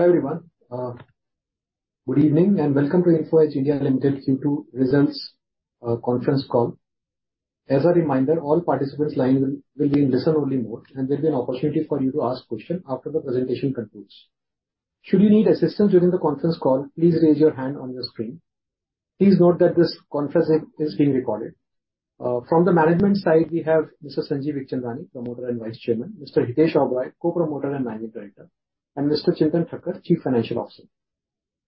Hi, everyone. Good evening, and welcome to Info Edge (India) Limited Q2 results conference call. As a reminder, all participants' lines will be in listen-only mode, and there'll be an opportunity for you to ask questions after the presentation concludes. Should you need assistance during the conference call, please raise your hand on your screen. Please note that this conference is being recorded. From the management side, we have Mr. Sanjeev Bikhchandani, promoter and vice chairman, Mr. Hitesh Oberoi, co-promoter and managing director, and Mr. Chintan Thakkar, chief financial officer.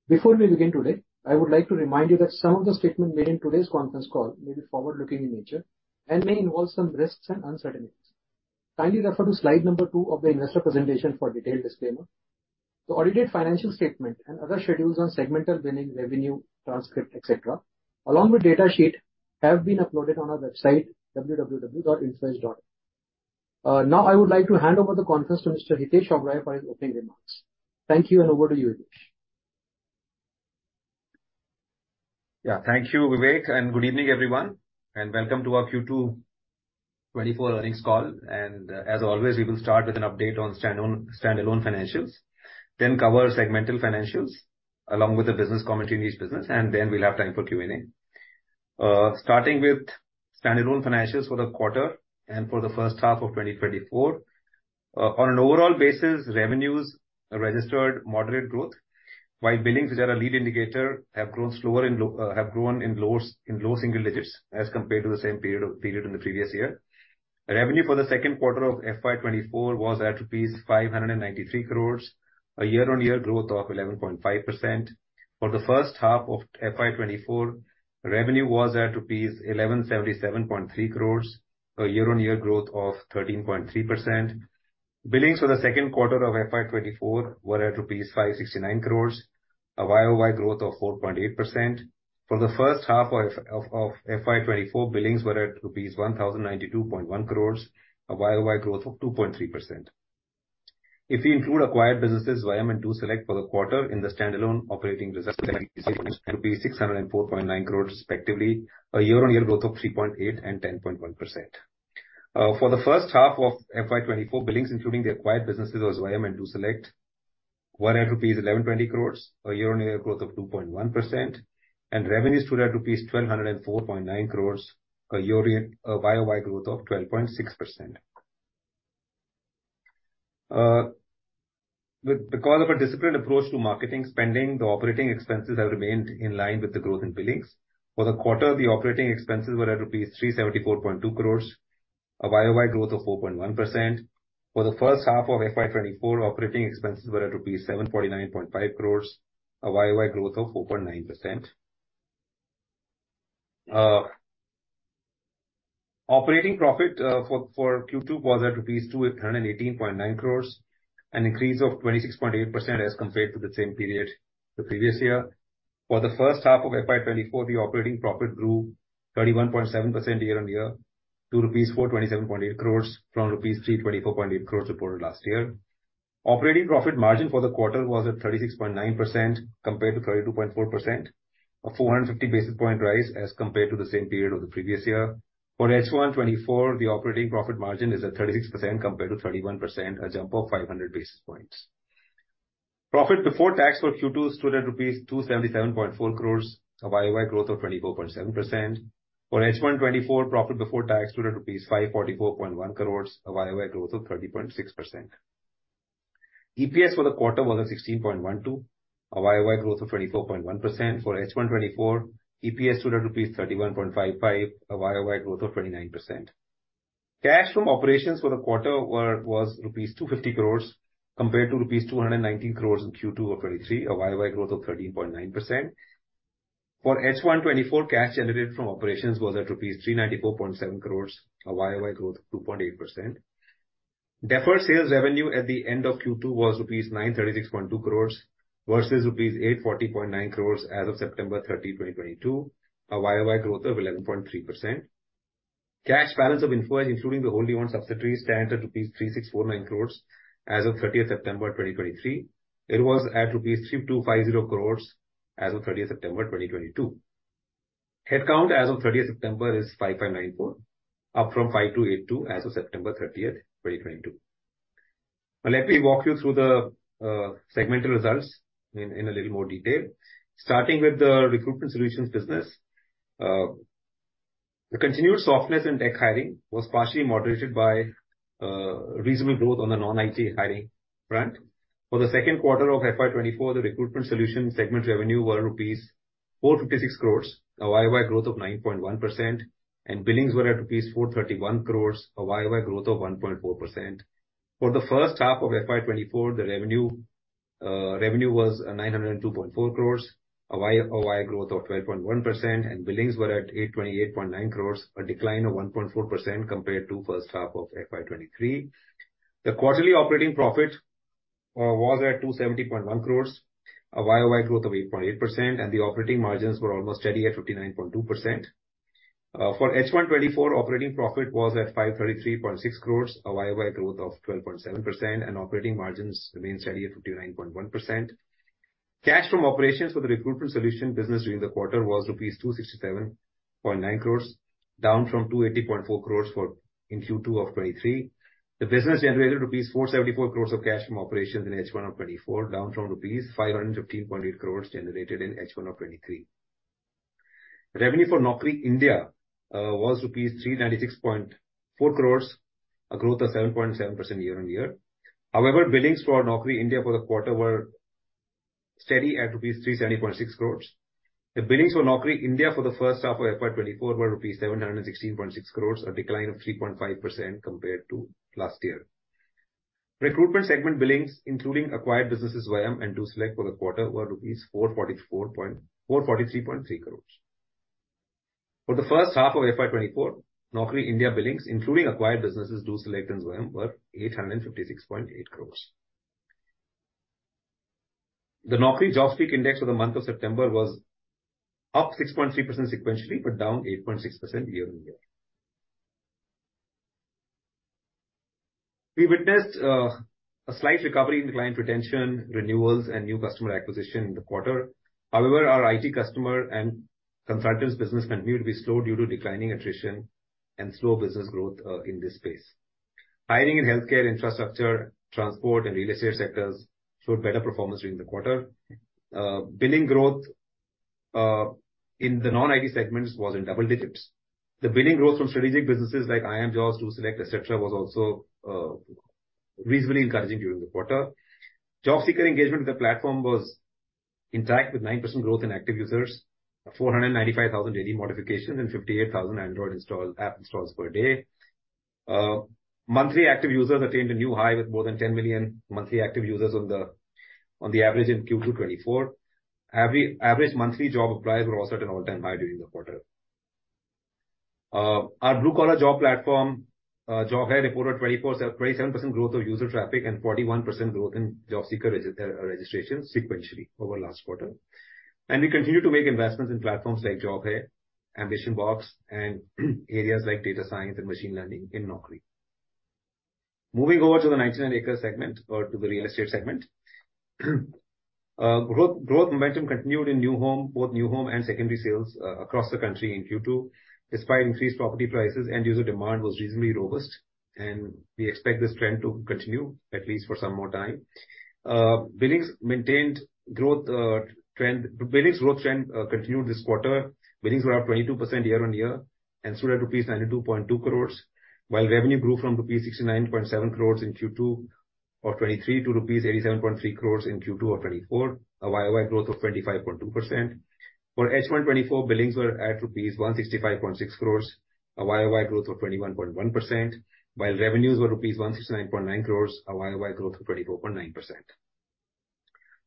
Before we begin today, I would like to remind you that some of the statements made in today's conference call may be forward-looking in nature and may involve some risks and uncertainties. Kindly refer to slide number two of the investor presentation for detailed disclaimer. The audited financial statement and other schedules on segmental billing, revenue, transcript, et cetera, along with data sheet, have been uploaded on our website, www.infoedge.in. Now I would like to hand over the conference to Mr. Hitesh Oberoi for his opening remarks. Thank you, and over to you, Hitesh. Yeah. Thank you, Vivek, and good evening, everyone, and welcome to our Q2 2024 earnings call. As always, we will start with an update on standalone financials, then cover segmental financials, along with the business commentary in each business, and then we'll have time for Q&A. Starting with standalone financials for the quarter and for the first half of 2024. On an overall basis, revenues registered moderate growth, while billings, which are a lead indicator, have grown slower in lows, in low single digits as compared to the same period in the previous year. Revenue for the second quarter of FY 2024 was at rupees 593 crore, a year-on-year growth of 11.5%. For the first half of FY 2024, revenue was at rupees 1,177.3 crores, a year-on-year growth of 13.3%. Billings for the second quarter of FY 2024 were at rupees 569 crores, a Y-O-Y growth of 4.8%. For the first half of FY 2024, billings were at rupees 1,092.1 crores, a Y-O-Y growth of 2.3%. If we include acquired businesses, Zwayam and DoSelect for the quarter in the standalone operating results, 604.9 crores respectively, a year-on-year growth of 3.8% and 10.1%. For the first half of FY 2024, billings, including the acquired businesses as Zwayam and DoSelect, were at rupees 1,120 crores, a year-on-year growth of 2.1%, and revenues stood at rupees 1,204.9 crores, a year-on-year Y-O-Y growth of 12.6%. Because of a disciplined approach to marketing spending, the operating expenses have remained in line with the growth in billings. For the quarter, the operating expenses were at 374.2 crores rupees, a Y-O-Y growth of 4.1%. For the first half of FY 2024, operating expenses were at 749.5 crores rupees, a Y-O-Y growth of 4.9%. Operating profit for Q2 was at rupees 218.9 crore, an increase of 26.8% as compared to the same period the previous year. For the first half of FY 2024, the operating profit grew 31.7% year-on-year to rupees 427.8 crore from rupees 324.8 crore reported last year. Operating profit margin for the quarter was at 36.9%, compared to 32.4%, a 450 basis points rise as compared to the same period of the previous year. For H1 2024, the operating profit margin is at 36%, compared to 31%, a jump of 500 basis points. Profit before tax for Q2 stood at rupees 277.4 crore, a Y-O-Y growth of 24.7%. For H1 2024, profit before tax stood at rupees 544.1 crores, a Y-O-Y growth of 30.6%. EPS for the quarter was at 16.12, a Y-O-Y growth of 24.1%. For H1 2024, EPS stood at rupees 31.55, a Y-O-Y growth of 29%. Cash from operations for the quarter was rupees 250 crores compared to rupees 219 crores in Q2 of 2023, a Y-O-Y growth of 13.9%. For H1 2024, cash generated from operations was at 394.7 crores rupees, a Y-O-Y growth of 2.8%. Deferred sales revenue at the end of Q2 was rupees 936.2 crores versus rupees 840.9 crores as of September 30, 2022, a Y-O-Y growth of 11.3%. Cash balance of Info Edge, including the wholly owned subsidiary, stands at rupees 3,649 crores as of thirtieth September 2023. It was at rupees 3,250 crores as of thirtieth September 2022. Headcount as of thirtieth September is 5,594, up from 5,282 as of September thirtieth, 2022. Now, let me walk you through the segmental results in a little more detail. Starting with the recruitment solutions business. The continued softness in tech hiring was partially moderated by reasonable growth on the non-IT hiring front. For the second quarter of FY 2024, the recruitment solutions segment revenue were rupees 456 crores, a Y-O-Y growth of 9.1%, and billings were at rupees 431 crores, a Y-O-Y growth of 1.4%. For the first half of FY 2024, the revenue, revenue was, 924 crores, a Y-O-Y growth of 12.1%, and billings were at 28.9 crores, a decline of 1.4% compared to first half of FY 2023. The quarterly operating profit, was at 270.1 crores, a Y-O-Y growth of 8.8%, and the operating margins were almost steady at 59.2%. For H1 2024, operating profit was at 533.6 crores, a Y-O-Y growth of 12.7%, and operating margins remained steady at 59.1%.Cash from operations for the recruitment solution business during the quarter was rupees 267.9 crores, down from 280.4 crores for Q2 of 2023. The business generated rupees 474 crores of cash from operations in H1 of 2024, down from rupees 515.8 crores generated in H1 of 2023. Revenue for Naukri India was rupees 396.4 crores, a growth of 7.7% year-on-year. However, billings for Naukri India for the quarter were steady at rupees 370.6 crores. The billings for Naukri India for the first half of FY 2024 were rupees 716.6 crores, a decline of 3.5% compared to last year. Recruitment segment billings, including acquired businesses, Zwayam and DoSelect for the quarter, were INR 444 point- 443.3 crores. For the first half of FY 2024, Naukri India billings, including acquired businesses, DoSelect and Zwayam, were 856.8 crores. The Naukri JobSpeak for the month of September was up 6.3% sequentially, but down 8.6% year-on-year. We witnessed a slight recovery in client retention, renewals, and new customer acquisition in the quarter. However, our IT customer and consultants business continued to be slow due to declining attrition and slow business growth in this space. Hiring in healthcare, infrastructure, transport, and real estate sectors showed better performance during the quarter. Billing growth in the non-IT segments was in double digits. The billing growth from strategic businesses like iimjobs, DoSelect, et cetera, was also reasonably encouraging during the quarter. Job seeker engagement with the platform was intact, with 9% growth in active users, 495,000 daily modifications, and 58,000 Android app installs per day. Monthly active users attained a new high with more than 10 million monthly active users on the, on the average in Q2 2024. Average monthly job applies were also at an all-time high during the quarter. Our blue collar job platform, Job Hai, reported 27% growth of user traffic and 41% growth in job seeker registration sequentially over last quarter. We continue to make investments in platforms like Job Hai, AmbitionBox, and areas like data science and machine learning in Naukri. Moving over to the 99acres segment or to the real estate segment. Growth momentum continued in new home, both new home and secondary sales, across the country in Q2. Despite increased property prices, end user demand was reasonably robust, and we expect this trend to continue at least for some more time. Billings maintained growth trend—billings growth trend continued this quarter. Billings were up 22% year-on-year and stood at rupees 92.2 crores, while revenue grew from rupees 69.7 crores in Q2 of 2023 to rupees 87.3 crores in Q2 of 2024, a Y-O-Y growth of 25.2%. For H1 2024, billings were at rupees 165.6 crores, a Y-O-Y growth of 21.1%, while revenues were rupees 169.9 crores, a Y-O-Y growth of 24.9%.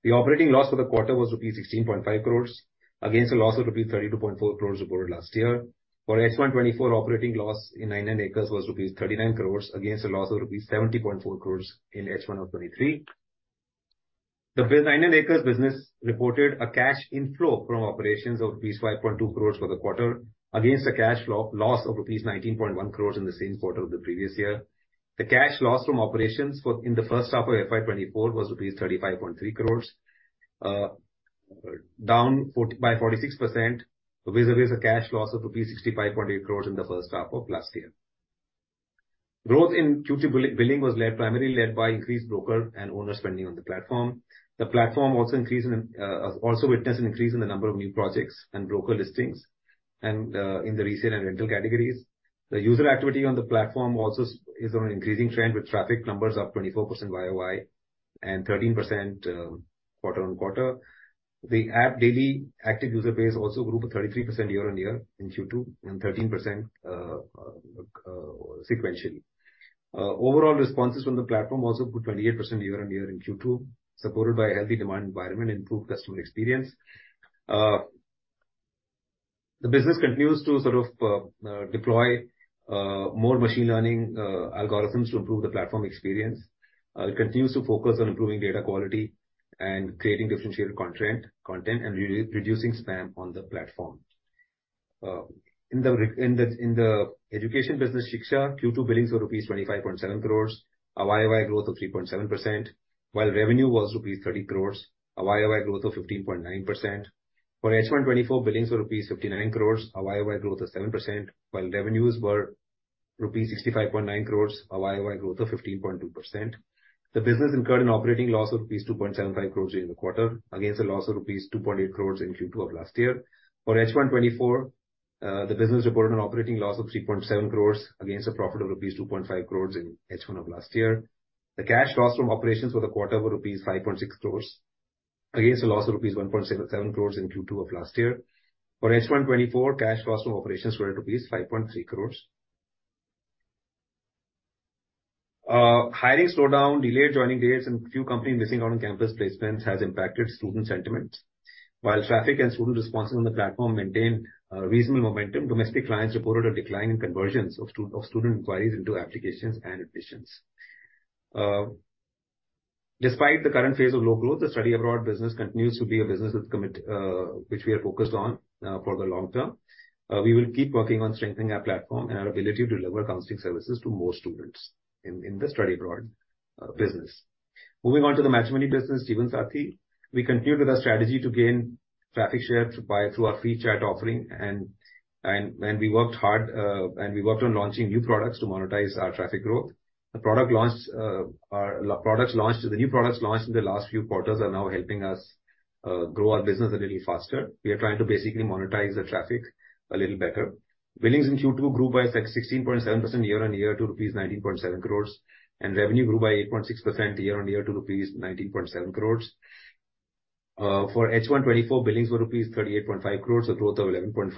The operating loss for the quarter was rupees 16.5 crores against a loss of rupees 32.4 crores reported last year. For H1 2024, operating loss in 99acres was rupees 39 crores against a loss of rupees 70.4 crores in H1 of 2023. The 99acres business reported a cash inflow from operations of rupees 5.2 crores for the quarter, against a cash loss of rupees 19.1 crores in the same quarter of the previous year. The cash loss from operations for, in the first half of FY 2024 was rupees 35.3 crores, down by 46%, vis-a-vis a cash loss of rupees 65.8 crores in the first half of last year. Growth in Q2 billing was led, primarily led by increased broker and owner spending on the platform. The platform also increased in, also witnessed an increase in the number of new projects and broker listings and, in the resale and rental categories. The user activity on the platform also is on an increasing trend, with traffic numbers up 24% Y-O-Y and 13% quarter-over-quarter. The app daily active user base also grew by 33% year-over-year in Q2 and 13% sequentially. Overall responses from the platform also grew 28% year-over-year in Q2, supported by a healthy demand environment and improved customer experience. The business continues to sort of deploy more machine learning algorithms to improve the platform experience; it continues to focus on improving data quality and creating differentiated content and reducing spam on the platform. In the education business, Shiksha, Q2 billings were rupees 25.7 crore, a Y-O-Y growth of 3.7%, while revenue was rupees 30 crore, a Y-O-Y growth of 15.9%. For H1 2024, billings were rupees 59 crore, a Y-O-Y growth of 7%, while revenues were rupees 65.9 crore, a Y-O-Y growth of 15.2%. The business incurred an operating loss of rupees 2.75 crore during the quarter, against a loss of rupees 2.8 crore in Q2 of last year. For H1 2024, the business reported an operating loss of 3.7 crore against a profit of rupees 2.5 crore in H1 of last year. The cash loss from operations for the quarter were rupees 5.6 crores against a loss of rupees 1.77 crores in Q2 of last year. For H1 2024, cash loss from operations were rupees 5.3 crores. Hiring slowdown, delayed joining dates, and few companies missing out on campus placements has impacted student sentiments. While traffic and student responses on the platform maintained reasonable momentum, domestic clients reported a decline in conversions of student inquiries into applications and admissions. Despite the current phase of low growth, the study abroad business continues to be a business with commitment, which we are focused on, for the long term. We will keep working on strengthening our platform and our ability to deliver counseling services to more students in the study abroad business. Moving on to the matrimony business, Jeevansathi, we continued with our strategy to gain traffic share through our free chat offering, and we worked hard and we worked on launching new products to monetize our traffic growth. The new products launched in the last few quarters are now helping us grow our business a little faster. We are trying to basically monetize the traffic a little better. Billings in Q2 grew by 16.7% year-on-year to rupees 19.7 crores, and revenue grew by 8.6% year-on-year to rupees 19.7 crores. For H1 2024, billings were rupees 38.5 crores, a growth of 11.5%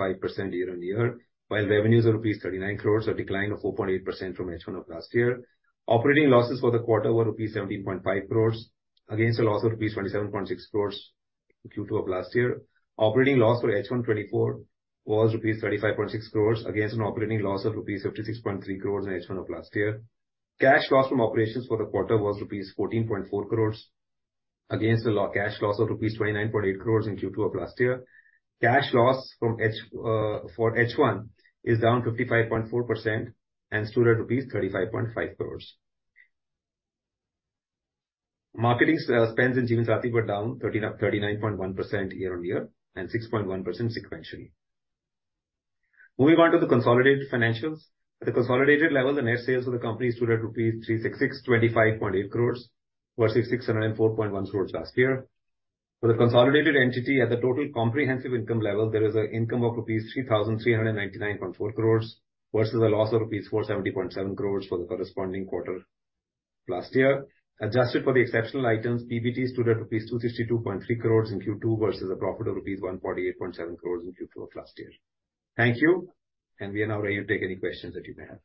year-on-year, while revenues are rupees 39 crores, a decline of 4.8% from H1 of last year. Operating losses for the quarter were rupees 17.5 crores, against a loss of rupees 27.6 crores in Q2 of last year. Operating loss for H1 2024 was rupees 35.6 crores, against an operating loss of rupees 56.3 crores in H1 of last year. Cash loss from operations for the quarter was rupees 14.4 crores, against a cash loss of rupees 29.8 crores in Q2 of last year. Cash loss from H for H1 is down 55.4% and stood at INR 35.5 crores. Marketing spends in Jeevansathi were down 39.1% year-on-year and 6.1% sequentially. Moving on to the consolidated financials. At the consolidated level, the net sales of the company stood at rupees 36,625.8 crores, versus 604.1 crores last year. For the consolidated entity at the total comprehensive income level, there is a income of rupees 3,399.4 crores, versus a loss of rupees 470.7 crores for the corresponding quarter last year. Adjusted for the exceptional items, PBT stood at rupees 262.3 crores in Q2 versus a profit of rupees 148.7 crores in Q2 of last year. Thank you, and we are now ready to take any questions that you may have.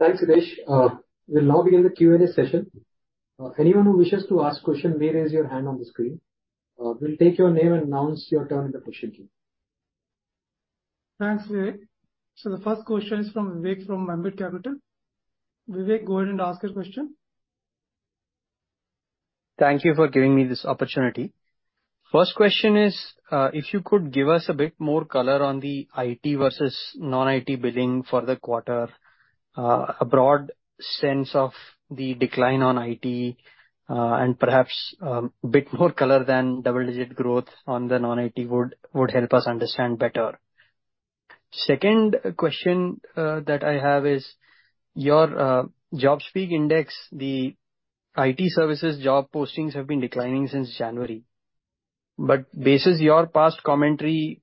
Thanks, Hitesh. We'll now begin the Q&A session. Anyone who wishes to ask question, may raise your hand on the screen. We'll take your name and announce your turn in the question queue. Thanks, Vivek. So the first question is from Vivek, from Ambit Capital. Vivek, go ahead and ask your question. Thank you for giving me this opportunity. First question is, if you could give us a bit more color on the IT versus non-IT billing for the quarter, a broad sense of the decline on IT, and perhaps, a bit more color than double-digit growth on the non-IT would, would help us understand better. Second question, that I have is, your, JobsSpeak index, the IT services job postings have been declining since January. But basis your past commentary,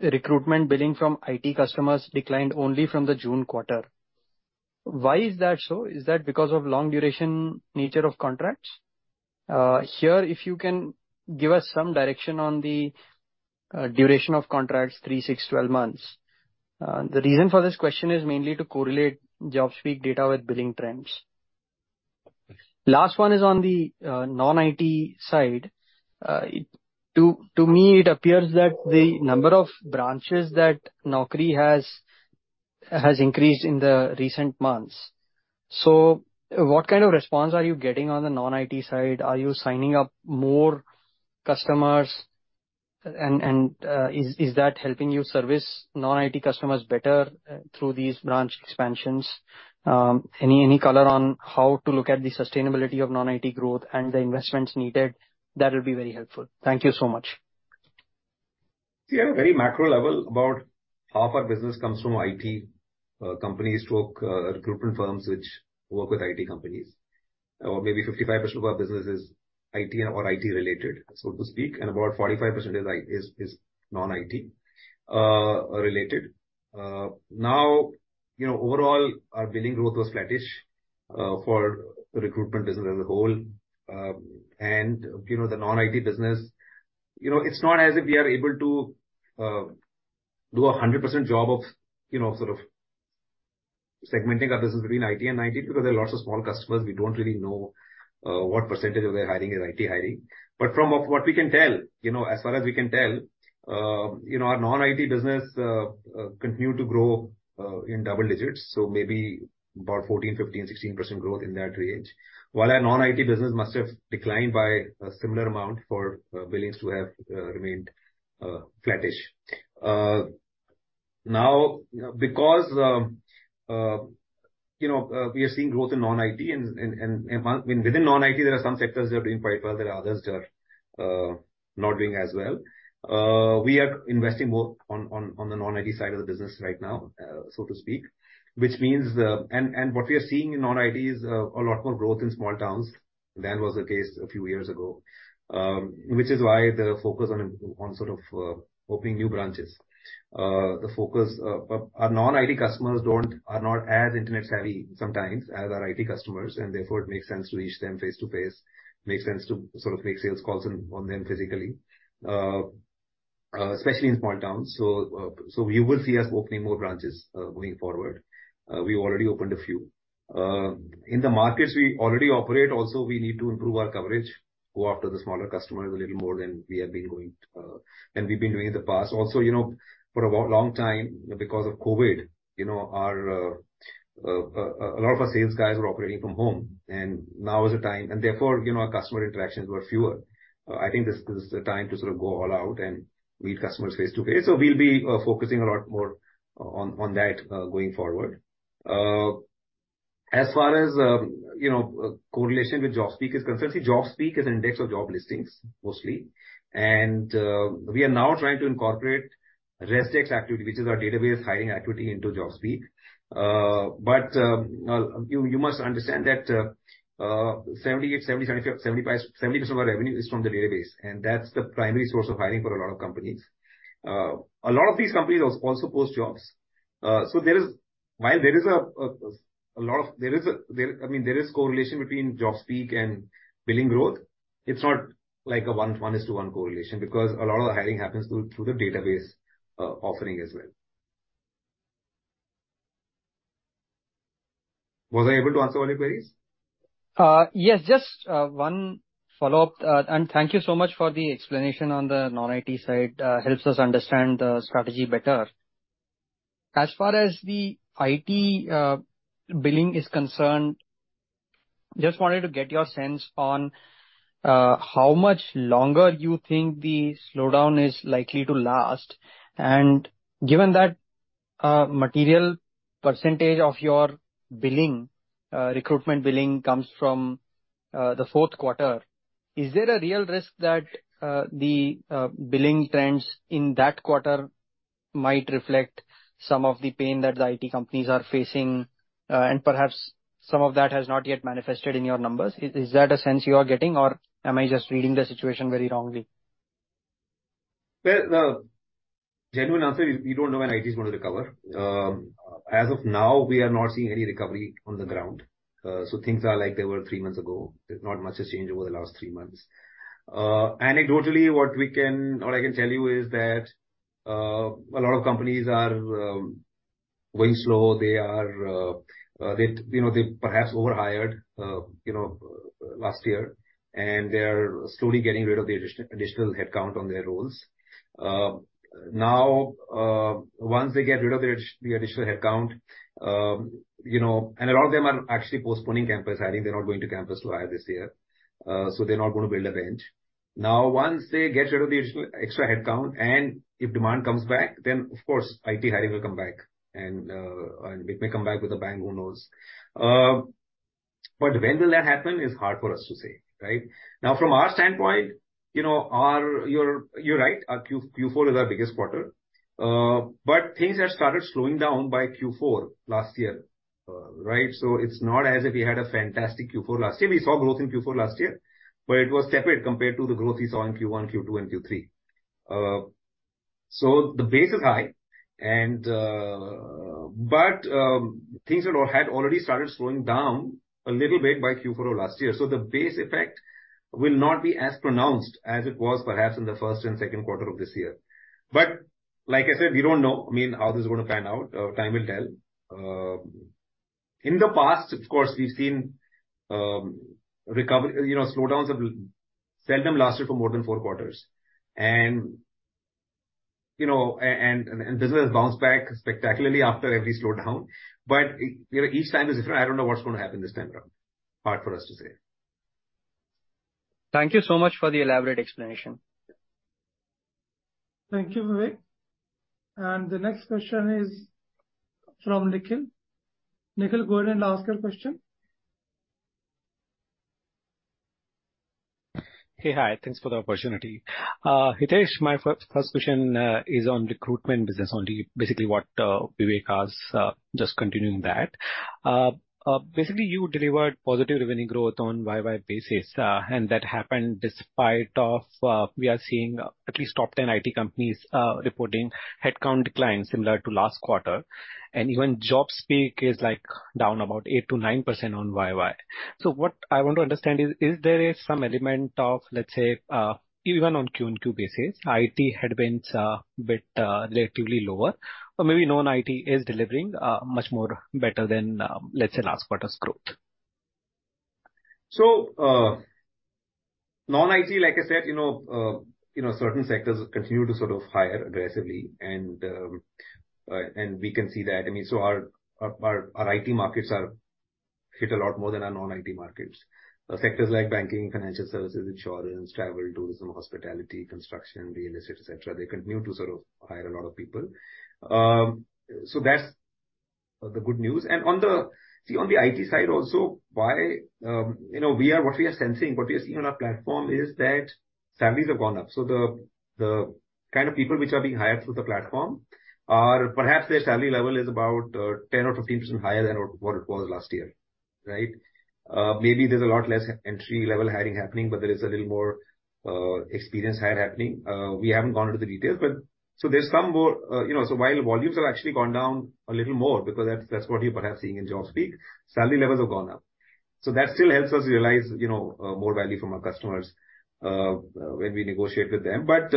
recruitment billing from IT customers declined only from the June quarter. Why is that so? Is that because of long duration nature of contracts? Here, if you can give us some direction on the, duration of contracts, three, six, 12 months. The reason for this question is mainly to correlate JobsSpeak data with billing trends. Last one is on the, non-IT side. To me it appears that the number of branches that Naukri has increased in the recent months. So what kind of response are you getting on the non-IT side? Are you signing up more customers? And is that helping you service non-IT customers better through these branch expansions? Any color on how to look at the sustainability of non-IT growth and the investments needed? That would be very helpful. Thank you so much. Yeah, at a very macro level, about half our business comes from IT companies or recruitment firms which work with IT companies. Or maybe 55% of our business is IT or IT related, so to speak, and about 45% is non-IT related. Now, you know, overall, our billing growth was flattish for the recruitment business as a whole. And, you know, the non-IT business, you know, it's not as if we are able to do a 100% job of, you know, sort of segmenting our business between IT and non-IT, because there are lots of small customers, we don't really know what percentage of their hiring is IT hiring. But from what we can tell, you know, as far as we can tell, our non-IT business continued to grow in double digits, so maybe about 14%-16% growth in that range. While our non-IT business must have declined by a similar amount for billings to have remained flattish. Now, because, you know, we are seeing growth in non-IT and, I mean, within non-IT, there are some sectors that are doing quite well, there are others that are not doing as well. We are investing more on the non-IT side of the business right now, so to speak, which means... What we are seeing in non-IT is a lot more growth in small towns than was the case a few years ago. Which is why the focus on sort of opening new branches. The focus, our non-IT customers are not as internet savvy sometimes as our IT customers, and therefore it makes sense to reach them face-to-face, makes sense to sort of make sales calls on them physically, especially in small towns. So you will see us opening more branches, going forward. We've already opened a few. In the markets we already operate, also, we need to improve our coverage, go after the smaller customers a little more than we have been going, than we've been doing in the past. Also, you know, for a long time because of COVID, you know, a lot of our sales guys were operating from home, and now is the time and therefore, you know, our customer interactions were fewer. I think this is the time to sort of go all out and meet customers face-to-face. So we'll be focusing a lot more on that, going forward. As far as, you know, correlation with JobSpeak is concerned, see, JobSpeak is index of job listings mostly. And we are now trying to incorporate Resdex activity, which is our database hiring activity into JobSpeak. But you must understand that 70%-75% of our revenue is from the database, and that's the primary source of hiring for a lot of companies. A lot of these companies also post jobs. So, I mean, there is correlation between JobSpeak and billing growth. It's not like a one-to-one correlation because a lot of the hiring happens through the database offering as well. Was I able to answer all your queries? Yes, just one follow-up. And thank you so much for the explanation on the non-IT side, helps us understand the strategy better. As far as the IT billing is concerned, just wanted to get your sense on how much longer you think the slowdown is likely to last. And given that material percentage of your billing, recruitment billing comes from the fourth quarter, is there a real risk that the billing trends in that quarter might reflect some of the pain that the IT companies are facing, and perhaps some of that has not yet manifested in your numbers? Is that a sense you are getting, or am I just reading the situation very wrongly? Well, genuine answer is we don't know when IT is going to recover. As of now, we are not seeing any recovery on the ground. So things are like they were three months ago. Not much has changed over the last three months. Anecdotally, all I can tell you is that a lot of companies are going slow. They are, you know, they perhaps overhired, you know, last year, and they're slowly getting rid of the additional headcount on their roles. Now, once they get rid of the additional headcount, you know, and a lot of them are actually postponing campus hiring. They're not going to campus to hire this year, so they're not going to build a bench. Now, once they get rid of the additional extra headcount, and if demand comes back, then of course, IT hiring will come back, and it may come back with a bang, who knows? But when will that happen is hard for us to say, right? Now, from our standpoint, you know, You're right, our Q4 is our biggest quarter. But things have started slowing down by Q4 last year, right? So it's not as if we had a fantastic Q4 last year. We saw growth in Q4 last year, but it was tepid compared to the growth we saw in Q1, Q2, and Q3. So the base is high, and but things had already started slowing down a little bit by Q4 of last year. So the base effect will not be as pronounced as it was perhaps in the first and second quarter of this year. But like I said, we don't know, I mean, how this is going to pan out. Time will tell. In the past, of course, we've seen recovery, you know, slowdowns have seldom lasted for more than four quarters. And, you know, business has bounced back spectacularly after every slowdown, but, you know, each time is different. I don't know what's going to happen this time around. Hard for us to say. Thank you so much for the elaborate explanation. Thank you, Vivek. The next question is from Nikhil. Nikhil, go ahead and ask your question. Hey, hi. Thanks for the opportunity. Hitesh, my first question is on recruitment business, only basically what Vivek asked, just continuing that. Basically, you delivered positive revenue growth on YY basis, and that happened despite of we are seeing at least top 10 IT companies reporting headcount declines similar to last quarter, and even JobSpeak is, like, down about 8%-9% on YY. So what I want to understand is, is there is some element of, let's say, even on Q and Q basis, IT headwinds are a bit relatively lower, or maybe non-IT is delivering much more better than, let's say, last quarter's growth? So, non-IT, like I said, you know, certain sectors continue to sort of hire aggressively, and we can see that. I mean, so our IT markets are hit a lot more than our non-IT markets. Sectors like banking, financial services, insurance, travel, tourism, hospitality, construction, real estate, et cetera, they continue to sort of hire a lot of people. So that's the good news. And on the IT side also, why, you know, we are, what we are sensing, what we are seeing on our platform is that salaries have gone up. So the kind of people which are being hired through the platform are perhaps their salary level is about 10% or 15% higher than what it was last year, right? Maybe there's a lot less entry-level hiring happening, but there is a little more experience hire happening. We haven't gone into the details, but so there's some more, you know, so while volumes have actually gone down a little more, because that's what you're perhaps seeing in JobSpeak, salary levels have gone up. So that still helps us realize, you know, more value from our customers when we negotiate with them. But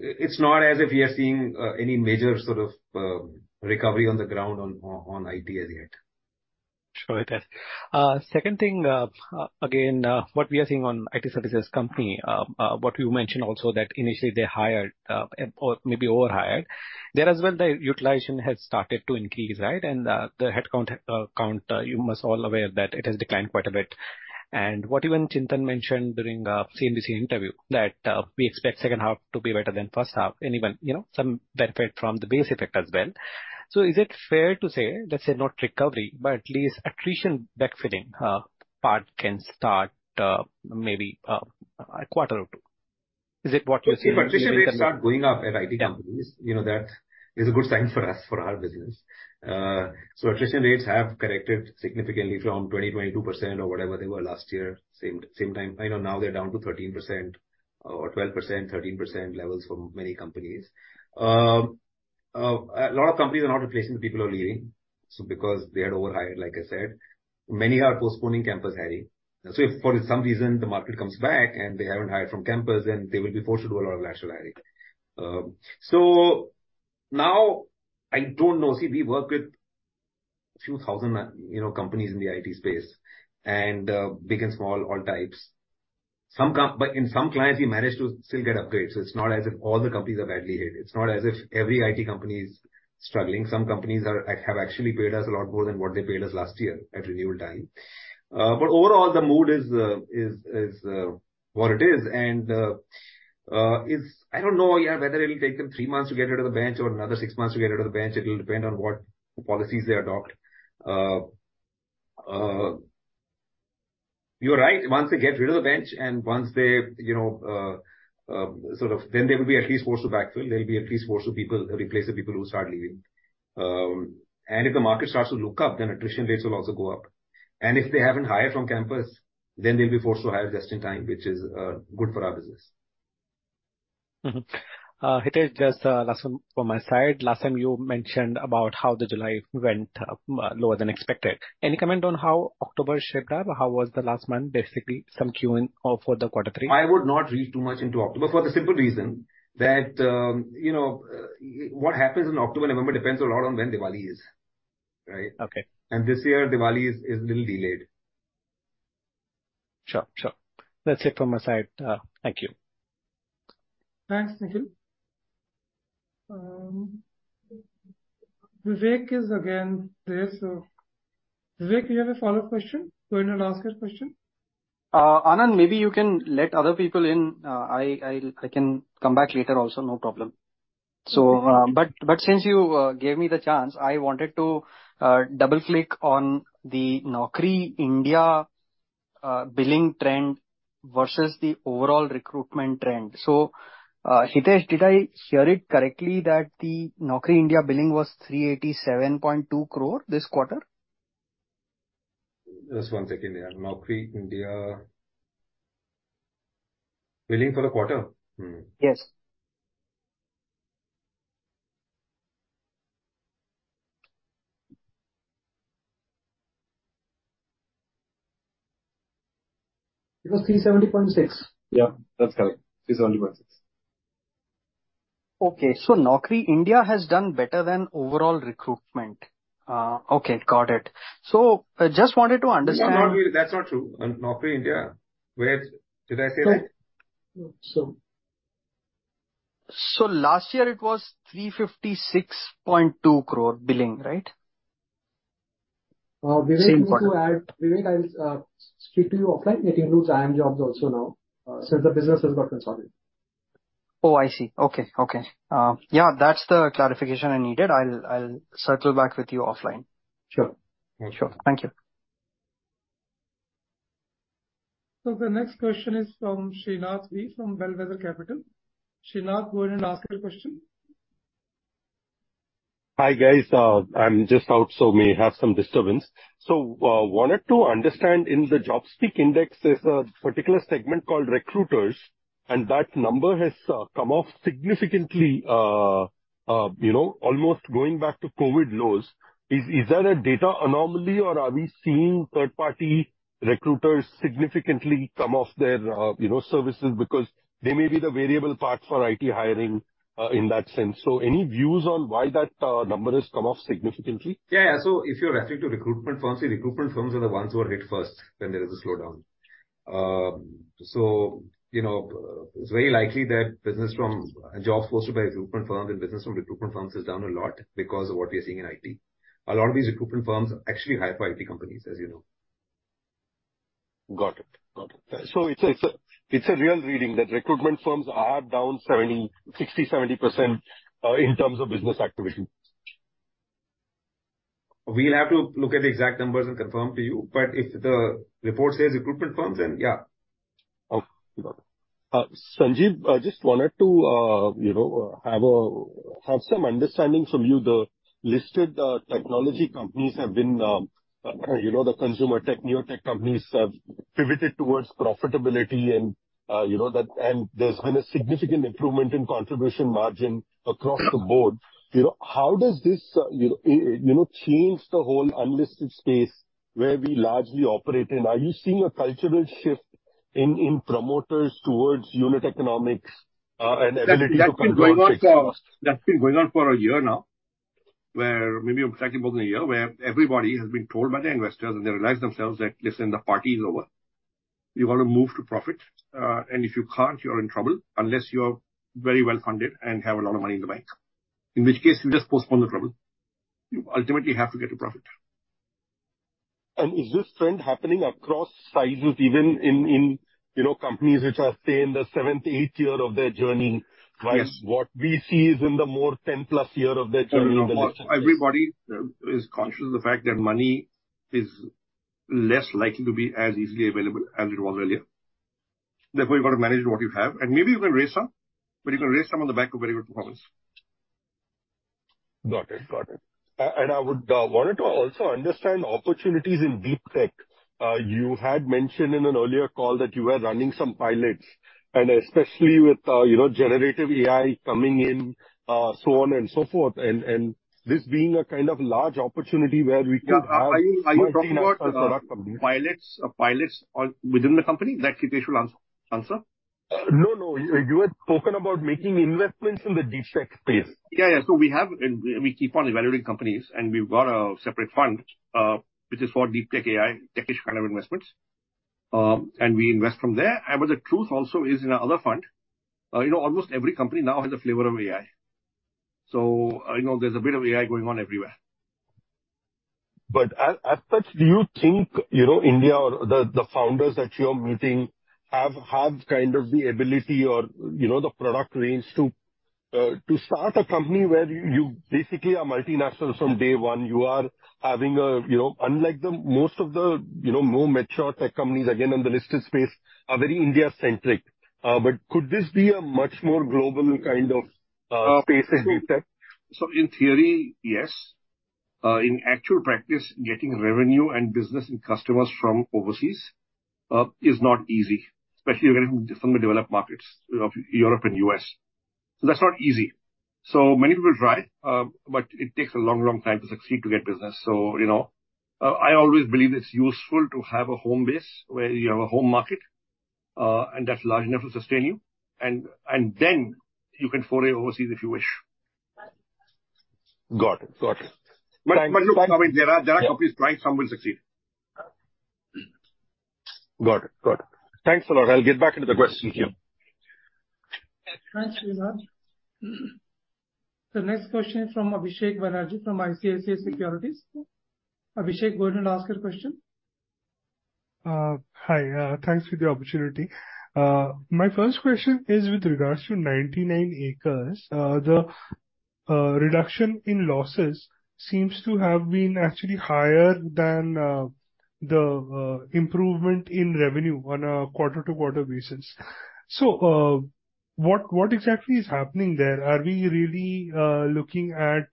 it's not as if we are seeing any major sort of recovery on the ground on IT as yet. Sure, Hitesh. Second thing, again, what we are seeing on IT services company, what you mentioned also that initially they hired, or maybe overhired. There as well, the utilization has started to increase, right? And, the headcount, count, you must all aware that it has declined quite a bit. And what even Chintan mentioned during, CNBC interview, that, we expect second half to be better than first half, and even, you know, some benefit from the base effect as well. So is it fair to say, let's say, not recovery, but at least attrition backfilling, part can start, maybe, a quarter or two? Is it what you're saying? See, attrition rates start going up at IT companies. Yeah. You know, that is a good sign for us, for our business. So attrition rates have corrected significantly from 22% or whatever they were last year, same time. I know now they're down to 13% or 12%, 13% levels for many companies. A lot of companies are not replacing the people who are leaving, so because they had overhired, like I said. Many are postponing campus hiring. So if for some reason the market comes back and they haven't hired from campus, then they will be forced to do a lot of lateral hiring. So now I don't know. See, we work with a few thousand, you know, companies in the IT space, and, big and small, all types. Some companies, but in some clients, we manage to still get upgrades, so it's not as if all the companies are badly hit. It's not as if every IT company is struggling. Some companies are, have actually paid us a lot more than what they paid us last year at renewal time. But overall, the mood is, is, what it is. And, it's, I don't know, yeah, whether it'll take them three months to get rid of the bench or another six months to get rid of the bench. It'll depend on what policies they adopt. You're right. Once they get rid of the bench, and once they, you know, sort of then they will be at least forced to backfill, they'll be at least forced to people, replace the people who start leaving. If the market starts to look up, then attrition rates will also go up. If they haven't hired from campus, then they'll be forced to hire just in time, which is good for our business. Hitesh, just, last one from my side. Last time you mentioned about how the July went, lower than expected. Any comment on how October shaped up? How was the last month, basically some queuing up for the quarter three? I would not read too much into October, for the simple reason that, you know, what happens in October and November depends a lot on when Diwali is, right? Okay. This year, Diwali is a little delayed. Sure. Sure. That's it from my side, thank you. Thanks, Nikhil. Vivek is again there, so Vivek, you have a follow-up question? Go ahead and ask your question. Anand, maybe you can let other people in. I can come back later also, no problem. But since you gave me the chance, I wanted to double-click on the Naukri India billing trend versus the overall recruitment trend. Hitesh, did I hear it correctly that the Naukri India billing was 387.2 crore this quarter? Just one second here. Naukri India, billing for the quarter? Yes. It was 370.6. Yeah, that's correct. 370.6. Okay, so Naukri India has done better than overall recruitment. Okay, got it. So I just wanted to understand- No, not really. That's not true. On Naukri India, where. Did I say that? No. So. Last year it was 356.2 crore billing, right? Uh, Vivek- Same quarter. Vivek, I'll speak to you offline. It includes IM Jobs also now, since the business has gotten solid. Oh, I see. Okay. Okay. Yeah, that's the clarification I needed. I'll, I'll circle back with you offline. Sure. Sure. Thank you. The next question is from Srinath from Bellwether Capital. Srinath, go ahead and ask your question. Hi, guys, I'm just out, so may have some disturbance. So, wanted to understand, in the JobSpeak index, there's a particular segment called recruiters, and that number has come off significantly, you know, almost going back to COVID lows. Is that a data anomaly, or are we seeing third-party recruiters significantly come off their, you know, services? Because they may be the variable part for IT hiring, in that sense. So any views on why that number has come off significantly? Yeah, yeah. So if you're referring to recruitment firms, the recruitment firms are the ones who are hit first when there is a slowdown. So, you know, it's very likely that business from jobs posted by recruitment firms and business from recruitment firms is down a lot because of what we are seeing in IT. A lot of these recruitment firms actually hire for IT companies, as you know. Got it. Got it. So it's a real reading that recruitment firms are down 70%, 60%, 70% in terms of business activity? We'll have to look at the exact numbers and confirm to you, but if the report says recruitment firms, then yeah. Okay. Got it. Sanjeev, I just wanted to, you know, have some understanding from you. The listed technology companies have been, you know, the consumer tech, neo-tech companies have pivoted towards profitability and, you know, that, and there's been a significant improvement in contribution margin across the board. You know, how does this, you know, change the whole unlisted space where we largely operate in? Are you seeing a cultural shift in promoters towards unit economics, and ability to control expenses? That's been going on for a year now, maybe exactly more than a year, where everybody has been told by their investors, and they realize themselves that, listen, the party is over. You've got to move to profit, and if you can't, you're in trouble, unless you're very well-funded and have a lot of money in the bank, in which case you just postpone the trouble. You ultimately have to get a profit. Is this trend happening across sizes, even in, in, you know, companies which are, say, in the seventh, eighth year of their journey? Yes. While what we see is in the more 10+ year of their journey. Everybody is conscious of the fact that money is less likely to be as easily available as it was earlier. Therefore, you've got to manage what you have, and maybe you can raise some, but you can raise some on the back of very good performance. Got it. Got it. And I would wanted to also understand opportunities in Deep Tech. You had mentioned in an earlier call that you were running some pilots, and especially with, you know, Generative AI coming in, so on and so forth, and, and this being a kind of large opportunity where we could have- Are you talking about pilots on within the company? That Hitesh should answer? Answer. No, no. You, you had spoken about making investments in the deep tech space. Yeah, yeah. So we have, and we keep on evaluating companies, and we've got a separate fund, which is for Deep Tech AI, tech-ish kind of investments, and we invest from there. But the truth also is in our other fund, you know, almost every company now has a flavor of AI. So, you know, there's a bit of AI going on everywhere. But as such, do you think, you know, India or the founders that you're meeting have had kind of the ability or, you know, the product range to start a company where you basically are multinational from day one? You are having a, you know, unlike most of the, you know, more mature tech companies, again, on the listed space, are very India-centric. But could this be a much more global kind of space in Deep Tech? So in theory, yes. In actual practice, getting revenue and business and customers from overseas is not easy, especially from the developed markets of Europe and U.S. So that's not easy. So many people try, but it takes a long, long time to succeed to get business. So, you know, I always believe it's useful to have a home base where you have a home market, and that's large enough to sustain you, and, and then you can foray overseas if you wish. Got it. Got it. But look, I mean, there are companies trying. Some will succeed. Got it. Got it. Thanks a lot. I'll get back into the question queue. Thanks, Sridhar. The next question is from Abhisek Banerjee, from ICICI Securities. Abhisek, go ahead and ask your question. Hi, thanks for the opportunity. My first question is with regards to 99acres. The reduction in losses seems to have been actually higher than the improvement in revenue on a quarter-to-quarter basis. So, what exactly is happening there? Are we really looking at,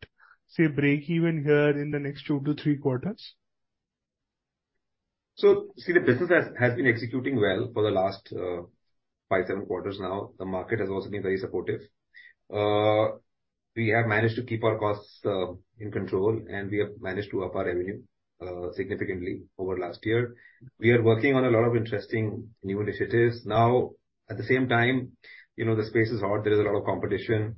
say, breakeven here in the next two to three quarters? So, see, the business has been executing well for the last 5-7 quarters now. The market has also been very supportive. We have managed to keep our costs in control, and we have managed to up our revenue significantly over last year. We are working on a lot of interesting new initiatives now. At the same time, you know, the space is hard. There is a lot of competition.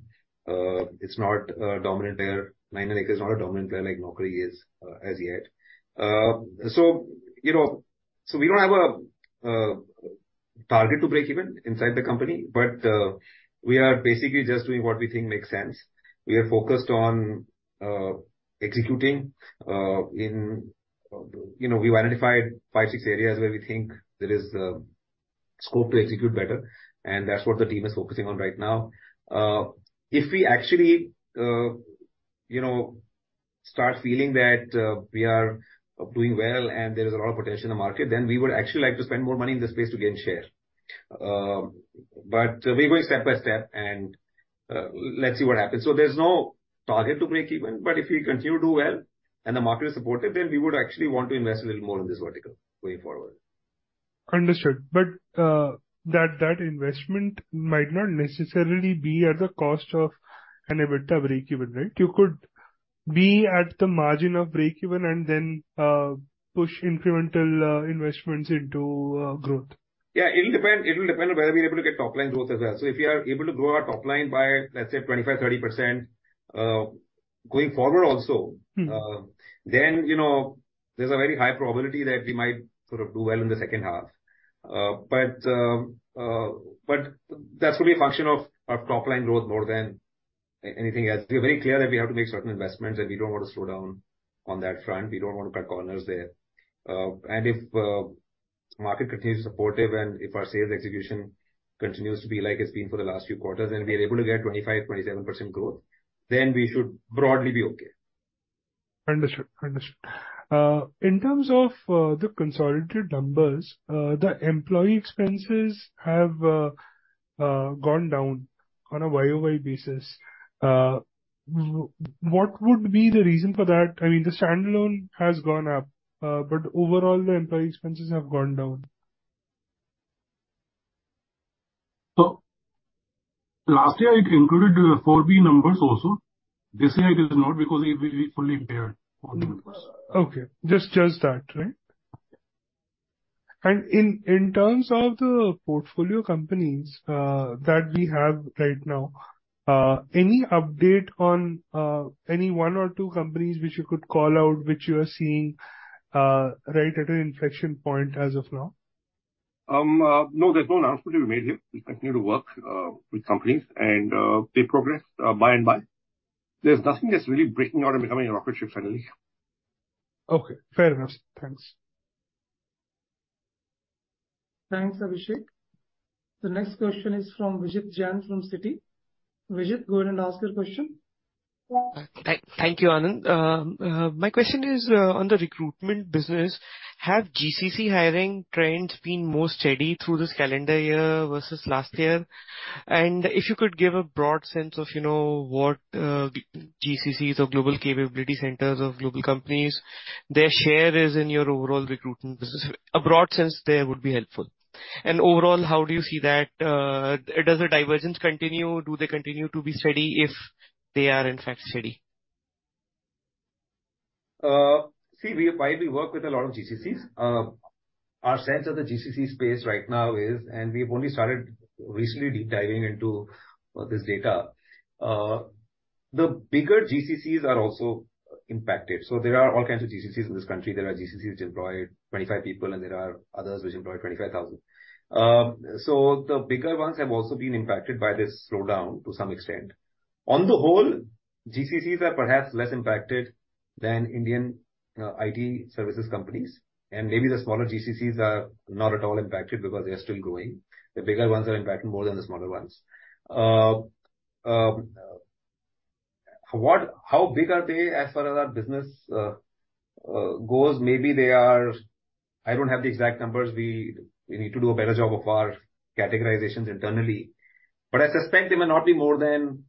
It's not a dominant player. 99acres is not a dominant player like Naukri is, as yet. So, you know, so we don't have a target to breakeven inside the company, but we are basically just doing what we think makes sense. We are focused on executing. You know, we've identified five, six areas where we think there is scope to execute better, and that's what the team is focusing on right now. If we actually, you know, start feeling that we are doing well and there is a lot of potential in the market, then we would actually like to spend more money in this space to gain share. But we're going step by step, and, let's see what happens. So there's no target to breakeven, but if we continue to do well and the market is supportive, then we would actually want to invest a little more in this vertical going forward. Understood. But, that, that investment might not necessarily be at the cost of an EBITDA breakeven, right? You could be at the margin of breakeven and then, push incremental, investments into, growth. Yeah, it'll depend, it will depend on whether we're able to get top-line growth as well. So if we are able to grow our top line by, let's say, 25%-30%, going forward also. Then, you know, there's a very high probability that we might sort of do well in the second half. But that's gonna be a function of our top-line growth more than anything else. We are very clear that we have to make certain investments and we don't want to slow down on that front. We don't want to cut corners there. And if market continues to be supportive and if our sales execution continues to be like it's been for the last few quarters, and we are able to get 25%-27% growth, then we should broadly be okay. Understood. Understood. In terms of the consolidated numbers, the employee expenses have gone down on a year-over-year basis. What would be the reason for that? I mean, the standalone has gone up, but overall, the employee expenses have gone down. So last year, it included the 4B Networks also. This year it is not because we fully paid on the numbers. Okay, just, just that, right? And in terms of the portfolio companies that we have right now, any update on any one or two companies which you could call out, which you are seeing right at an inflection point as of now? No, there's no announcement to be made here. We continue to work with companies and they progress by and by. There's nothing that's really breaking out and becoming a rocket ship finally. Okay, fair enough. Thanks. Thanks, Abhisek. The next question is from Vijit Jain from Citi. Vijit, go ahead and ask your question. Thank you, Anand. My question is on the recruitment business: Have GCC hiring trends been more steady through this calendar year versus last year? And if you could give a broad sense of, you know, what GCCs or Global Capability Centers of global companies, their share is in your overall recruitment business. A broad sense there would be helpful. And overall, how do you see that? Does the divergence continue? Do they continue to be steady, if they are in fact steady? See, while we work with a lot of GCCs, our sense of the GCC space right now is, and we've only started recently deep diving into this data. The bigger GCCs are also impacted. So there are all kinds of GCCs in this country. There are GCCs which employ 25 people, and there are others which employ 25,000. So the bigger ones have also been impacted by this slowdown to some extent. On the whole, GCCs are perhaps less impacted than Indian IT services companies, and maybe the smaller GCCs are not at all impacted because they are still growing. The bigger ones are impacted more than the smaller ones. How big are they as far as our business goes? Maybe they are... I don't have the exact numbers. We, we need to do a better job of our categorizations internally, but I suspect they may not be more than,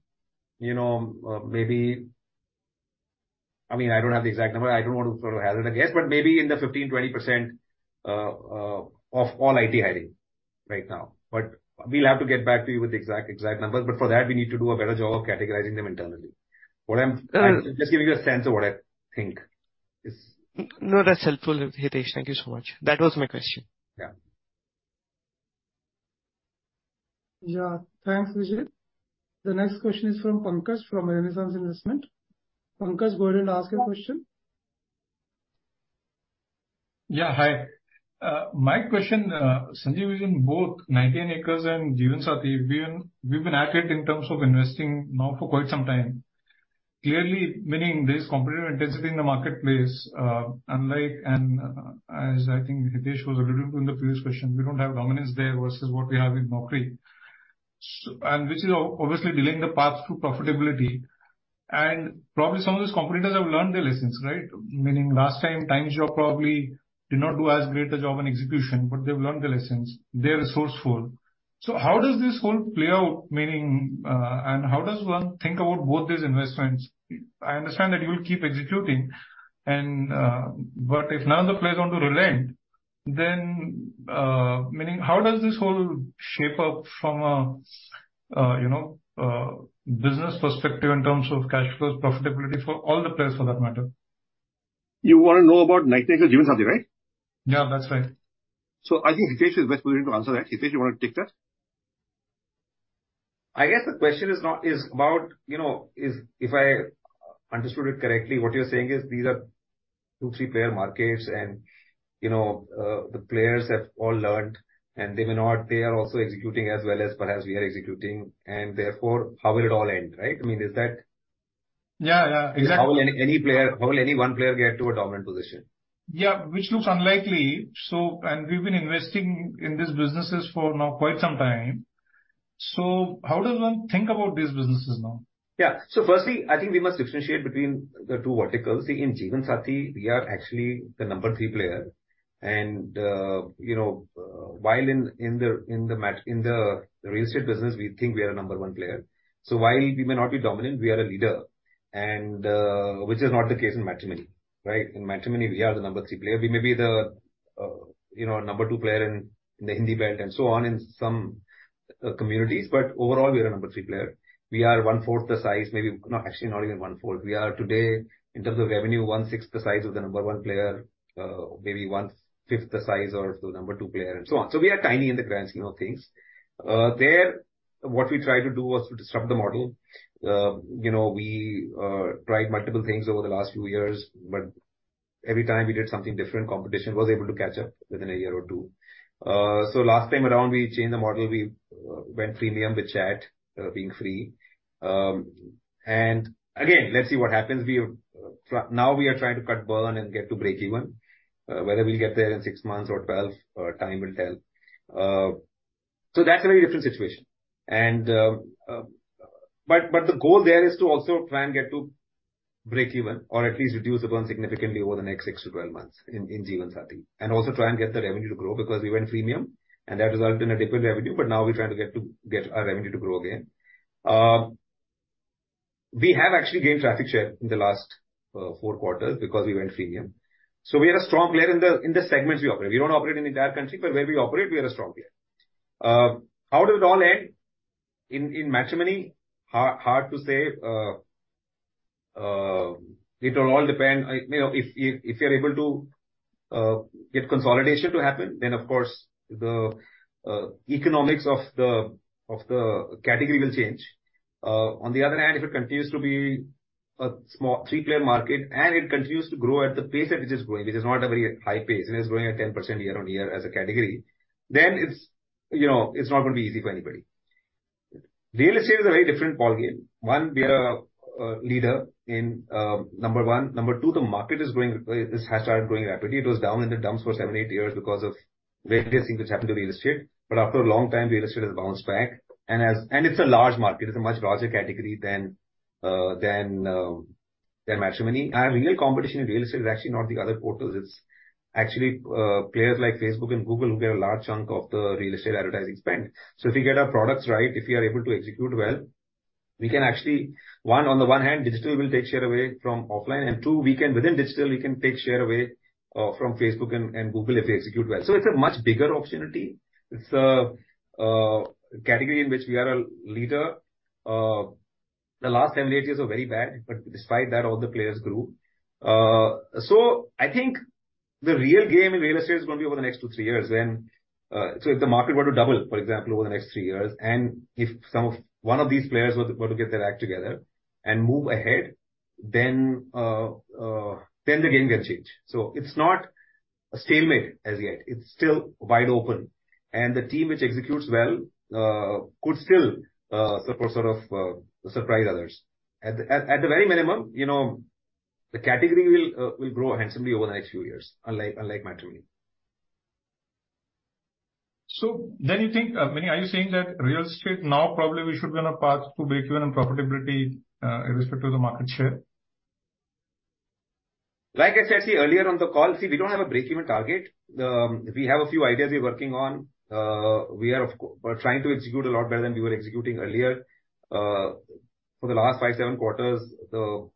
you know, maybe, I mean, I don't have the exact number. I don't want to sort of hazard a guess, but maybe in the 15%-20% of all IT hiring right now. But we'll have to get back to you with the exact, exact numbers. But for that, we need to do a better job of categorizing them internally. What I'm Just giving you a sense of what I think is No, that's helpful, Hitesh. Thank you so much. That was my question. Yeah. Yeah. Thanks, Vijit. The next question is from Pankaj, from Renaissance Investment. Pankaj, go ahead and ask your question. Yeah, hi. My question, Sanjeev, is in both 99acres and Jeevansathi, we've been active in terms of investing now for quite some time. Clearly, meaning there is competitive intensity in the marketplace, unlike, as I think Hitesh was alluding to in the previous question, we don't have dominance there versus what we have in Naukri. So, this is obviously delaying the path to profitability. And probably some of those competitors have learned their lessons, right? Meaning last time, TimesJobs probably did not do as great a job in execution, but they've learned their lessons. They're resourceful. So how does this whole play out, meaning, and how does one think about both these investments? I understand that you will keep executing and, but if none of the players want to relent, then, meaning how does this whole shape up from a, you know, business perspective in terms of cash flows, profitability for all the players for that matter? You want to know about 99acres and Jeevansathi, right? Yeah, that's right. So I think Hitesh is best positioned to answer that. Hitesh, you want to take that? I guess the question is not, is about, you know, if, if I understood it correctly, what you're saying is these are two, three-player markets and, you know, the players have all learned, and they may not. They are also executing as well as perhaps we are executing, and therefore, how will it all end, right? I mean, is that? Yeah. Yeah, exactly. How will any player, how will any one player get to a dominant position? Yeah, which looks unlikely. So, and we've been investing in these businesses for now quite some time. So how does one think about these businesses now? Yeah. Firstly, I think we must differentiate between the two verticals. In Jeevansathi, we are actually the number three player and, you know, while in the real estate business, we think we are a number one player. So while we may not be dominant, we are a leader and, which is not the case in matrimony, right? In matrimony, we are the number three player. We may be the, you know, number two player in the Hindi belt and so on in some communities, but overall, we are a number three player. We are 1/4 the size, maybe. No, actually, not even 1/4. We are today, in terms of revenue, 1/6 the size of the number one player, maybe 1/5 the size of the number two player and so on. So we are tiny in the grand scheme of things. What we tried to do was to disrupt the model. You know, we tried multiple things over the last few years, but every time we did something different, competition was able to catch up within a year or two. So last time around, we changed the model. We went freemium with chat being free. And again, let's see what happens. Now we are trying to cut burn and get to breakeven. Whether we'll get there in 6 months or 12, time will tell. So that's a very different situation. And, but, but the goal there is to also try and get to breakeven or at least reduce the burn significantly over the next 6 to 12 months in, in Jeevansathi, and also try and get the revenue to grow because we went freemium and that resulted in a different revenue, but now we're trying to get to get our revenue to grow again. We have actually gained traffic share in the last, four quarters because we went freemium. So we are a strong player in the, in the segments we operate. We don't operate in the entire country, but where we operate, we are a strong player. How does it all end? In, in matrimony, hard to say. It will all depend, you know, if, if, if you're able to get consolidation to happen, then of course, the economics of the, of the category will change. On the other hand, if it continues to be a small three-player market, and it continues to grow at the pace that it is growing, which is not a very high pace, and it's growing at 10% year-on-year as a category, then it's, you know, it's not going to be easy for anybody. Real estate is a very different ballgame. One, we are a leader in number one. Number two, the market is growing, it has started growing rapidly. It was down in the dumps for seven, eight years because of various things which happened to real estate. But after a long time, real estate has bounced back and it's a large market. It's a much larger category than matrimony. Real competition in real estate is actually not the other portals, it's actually players like Facebook and Google, who get a large chunk of the real estate advertising spend. So if we get our products right, if we are able to execute well, we can actually, one, on the one hand, digital will take share away from offline, and two, we can, within digital, we can take share away from Facebook and Google if we execute well. So it's a much bigger opportunity. It's a category in which we are a leader. The last seven, eight years were very bad, but despite that, all the players grew. So I think the real game in real estate is going to be over the next two, three years when. So if the market were to double, for example, over the next three years, and if some of, one of these players were, were to get their act together and move ahead, then, then the game can change. So it's not a stalemate as yet, it's still wide open, and the team which executes well, could still, sort of, surprise others. At the very minimum, you know, the category will grow handsomely over the next few years, unlike matrimony. So then you think, Minnie, are you saying that real estate now, probably we should be on a path to breakeven and profitability, in respect to the market share? Like I said, see, earlier on the call, see, we don't have a breakeven target. We have a few ideas we're working on. We are of co, we're trying to execute a lot better than we were executing earlier. For the last five, seven quarters, the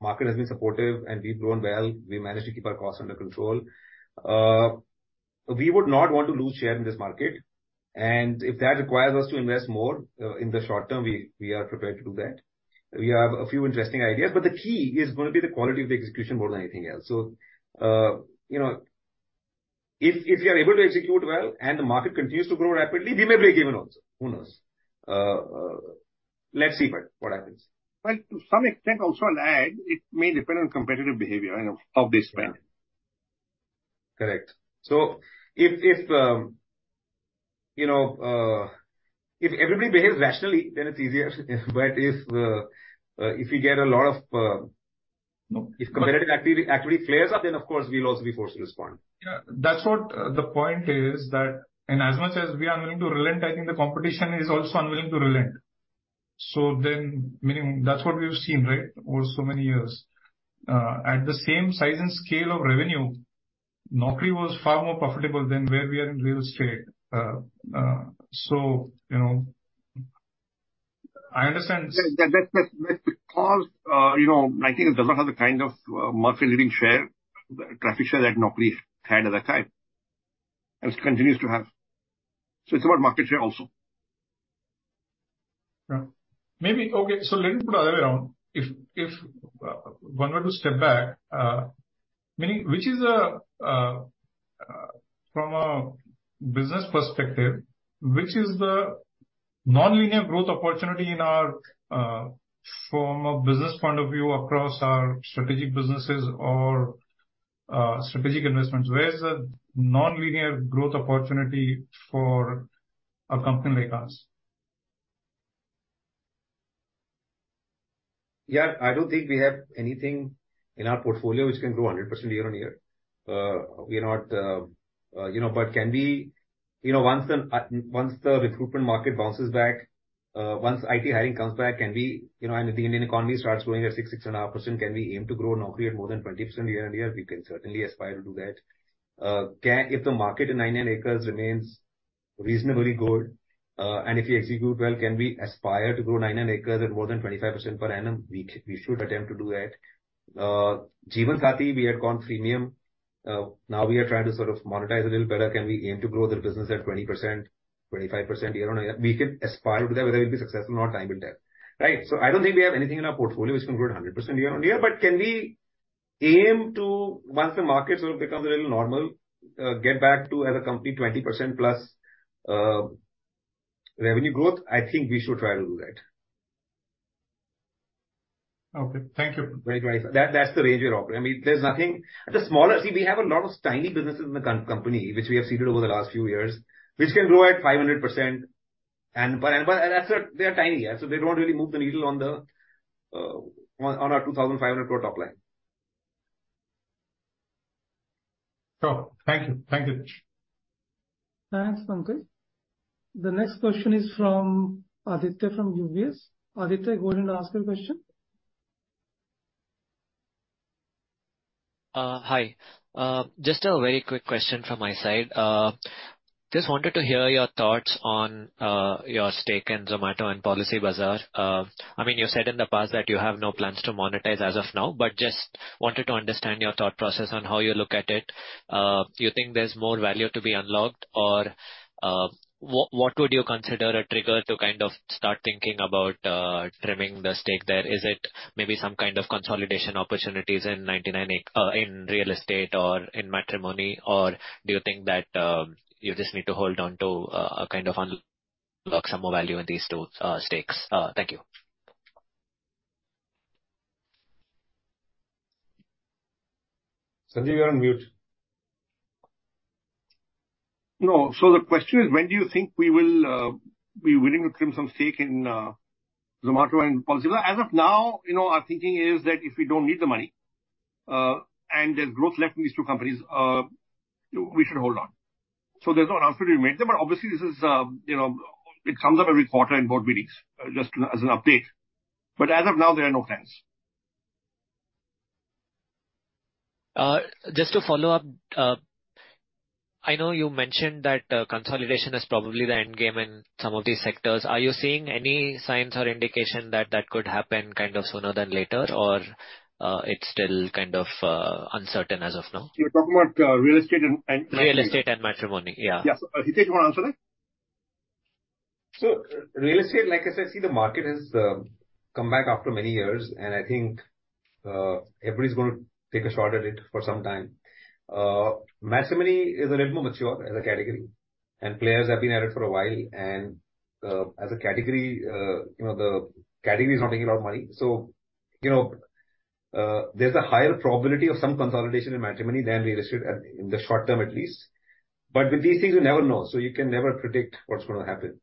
market has been supportive and we've grown well. We managed to keep our costs under control. We would not want to lose share in this market, and if that requires us to invest more, in the short term, we, we are prepared to do that. We have a few interesting ideas, but the key is going to be the quality of the execution more than anything else. So, you know, if, if we are able to execute well and the market continues to grow rapidly, we may break even also. Who knows? Let's see what happens. Well, to some extent, also on ad, it may depend on competitive behavior, you know, of the spend. Correct. So if you know, if everybody behaves rationally, then it's easier. But if we get a lot of... If competitive activity flares up, then, of course, we'll also be forced to respond. Yeah, that's what the point is that, and as much as we are willing to relent, I think the competition is also unwilling to relent. So then, many, that's what we've seen, right? Over so many years. At the same size and scale of revenue, Naukri was far more profitable than where we are in real estate. So, you know, I understand- That because, you know, I think it doesn't have the kind of market-leading share, traffic share, that Naukri had at that time, and it continues to have. So it's about market share also. Yeah. Maybe. Okay, so let me put it the other way around. If one were to step back, namely, from a business perspective, which is the nonlinear growth opportunity in our from a business point of view across our strategic businesses or strategic investments, where is the nonlinear growth opportunity for a company like us? Yeah, I don't think we have anything in our portfolio which can grow 100% year-on-year. We are not, you know, but can we? You know, once the recruitment market bounces back, once IT hiring comes back, can we? You know, and the Indian economy starts growing at 6-6.5%, can we aim to grow Naukri at more than 20% year-on-year? We can certainly aspire to do that. If the market in 99acres remains reasonably good, and if we execute well, can we aspire to grow 99acres at more than 25% per annum? We should attempt to do that. Jeevansathi, we had gone freemium, now we are trying to sort of monetize a little better. Can we aim to grow the business at 20%, 25% year-on-year? We can aspire to that. Whether we'll be successful or not, time will tell, right? So I don't think we have anything in our portfolio which can grow at 100% year-on-year. But can we aim to, once the market sort of becomes a little normal, get back to, as a company, 20%+ revenue growth? I think we should try to do that. Okay, thank you. Right. Right. That, that's the range we operate. I mean, there's nothing. At the smaller. See, we have a lot of tiny businesses in the company, which we have seeded over the last few years, which can grow at 500% and... But, but that's a, they are tiny, yeah, so they don't really move the needle on the, on our 2,500 crore top line. Oh, thank you. Thank you very much. Thanks, Pankaj. The next question is from Aditya from UBS. Aditya, go ahead and ask your question. Hi. Just a very quick question from my side. Just wanted to hear your thoughts on your stake in Zomato and Policybazaar. I mean, you said in the past that you have no plans to monetize as of now, but just wanted to understand your thought process on how you look at it. Do you think there's more value to be unlocked? Or what would you consider a trigger to kind of start thinking about trimming the stake there? Is it maybe some kind of consolidation opportunities in 99acres in real estate or in matrimony? Or do you think that you just need to hold on to a kind of unlock some more value in these two stakes. Thank you. Sanjeev, you're on mute. No. So the question is, when do you think we will be willing to trim some stake in Zomato and Policybazaar? As of now, you know, our thinking is that if we don't need the money and there's growth left in these two companies, we should hold on. So there's no answer to make them, but obviously this is, you know, it comes up every quarter in board meetings just as an update. But as of now, there are no plans. Just to follow up, I know you mentioned that consolidation is probably the end game in some of these sectors. Are you seeing any signs or indication that that could happen kind of sooner than later? Or, it's still kind of uncertain as of now? You're talking about real estate and, Real estate and matrimony. Yeah. Yes. Hitesh, you wanna answer that? So real estate, like I said, see, the market has come back after many years, and I think everybody's going to take a shot at it for some time. Matrimony is a little more mature as a category, and players have been at it for a while, and as a category, you know, the category is not making a lot of money. So, you know, there's a higher probability of some consolidation in matrimony than real estate, at in the short term at least. But with these things, you never know, so you can never predict what's gonna happen.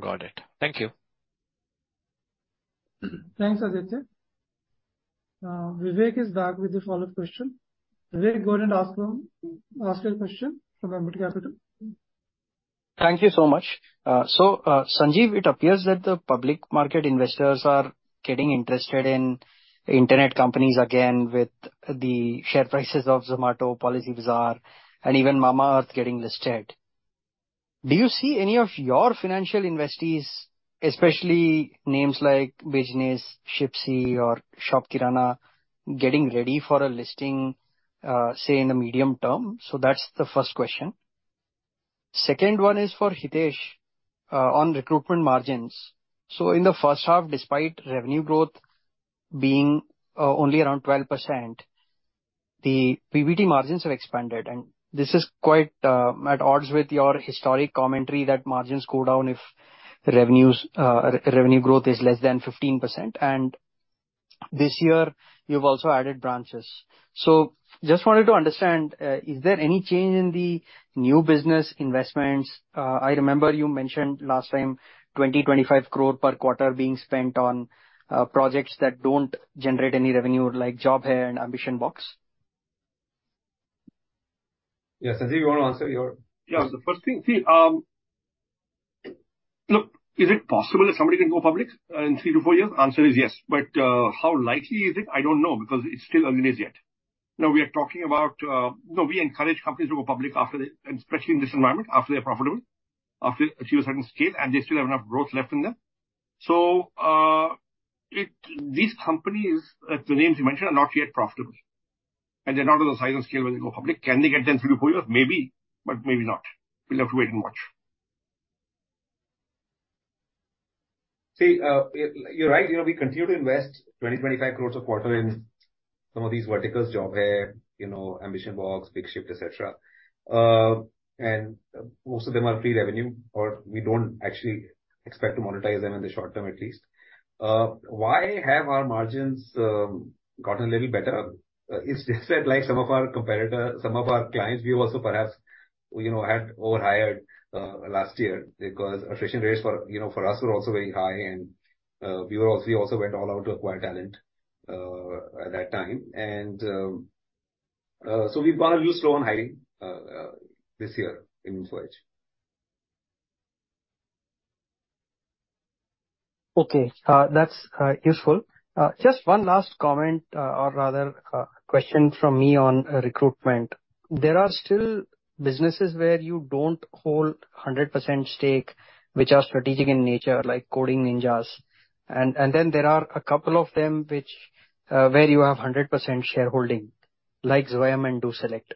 Got it. Thank you. Thanks, Aditya. Vivek is back with a follow-up question. Vivek, go ahead and ask them, ask your question from Ambit Capital. Thank you so much. So, Sanjeev, it appears that the public market investors are getting interested in internet companies again, with the share prices of Zomato, Policybazaar, and even Mamaearth getting listed. Do you see any of your financial investees, especially names like Bijnis, Shipsy or ShopKirana, getting ready for a listing, say, in the medium term? So that's the first question. Second one is for Hitesh, on recruitment margins. So in the first half, despite revenue growth being only around 12%, the PBT margins have expanded, and this is quite at odds with your historic commentary that margins go down if revenue growth is less than 15%. And this year, you've also added branches. So just wanted to understand, is there any change in the new business investments? I remember you mentioned last time, 25 crore per quarter being spent on projects that don't generate any revenue, like Job Hai and AmbitionBox. Yes, Sanjeev, you want to answer your- Yeah, the first thing, see, look, is it possible that somebody can go public in three to four years? Answer is yes. But how likely is it? I don't know, because it's still early days yet. Now, we are talking about. You know, we encourage companies to go public after they, especially in this environment, after they're profitable, after achieve a certain scale, and they still have enough growth left in them. So, it, these companies, the names you mentioned, are not yet profitable, and they're not of the size and scale where they go public. Can they get them three to four years? Maybe, but maybe not. We'll have to wait and watch. See, you're right. You know, we continue to invest 20-25 crore a quarter in some of these verticals, Job Hai, you know, AmbitionBox, BigShyft, et cetera. And most of them are pre-revenue, or we don't actually expect to monetize them in the short term at least. Why have our margins gotten a little better? It's just that like some of our competitor, some of our clients, we've also perhaps, you know, had overhired last year, because attrition rates for, you know, for us were also very high and we were also, we also went all out to acquire talent at that time. And so we've been a little slow on hiring this year in such. Okay, that's useful. Just one last comment, or rather, question from me on recruitment. There are still businesses where you don't hold a 100% stake, which are strategic in nature, like Coding Ninjas. And then there are a couple of them which, where you have 100% shareholding, like Zomato and DoSelect.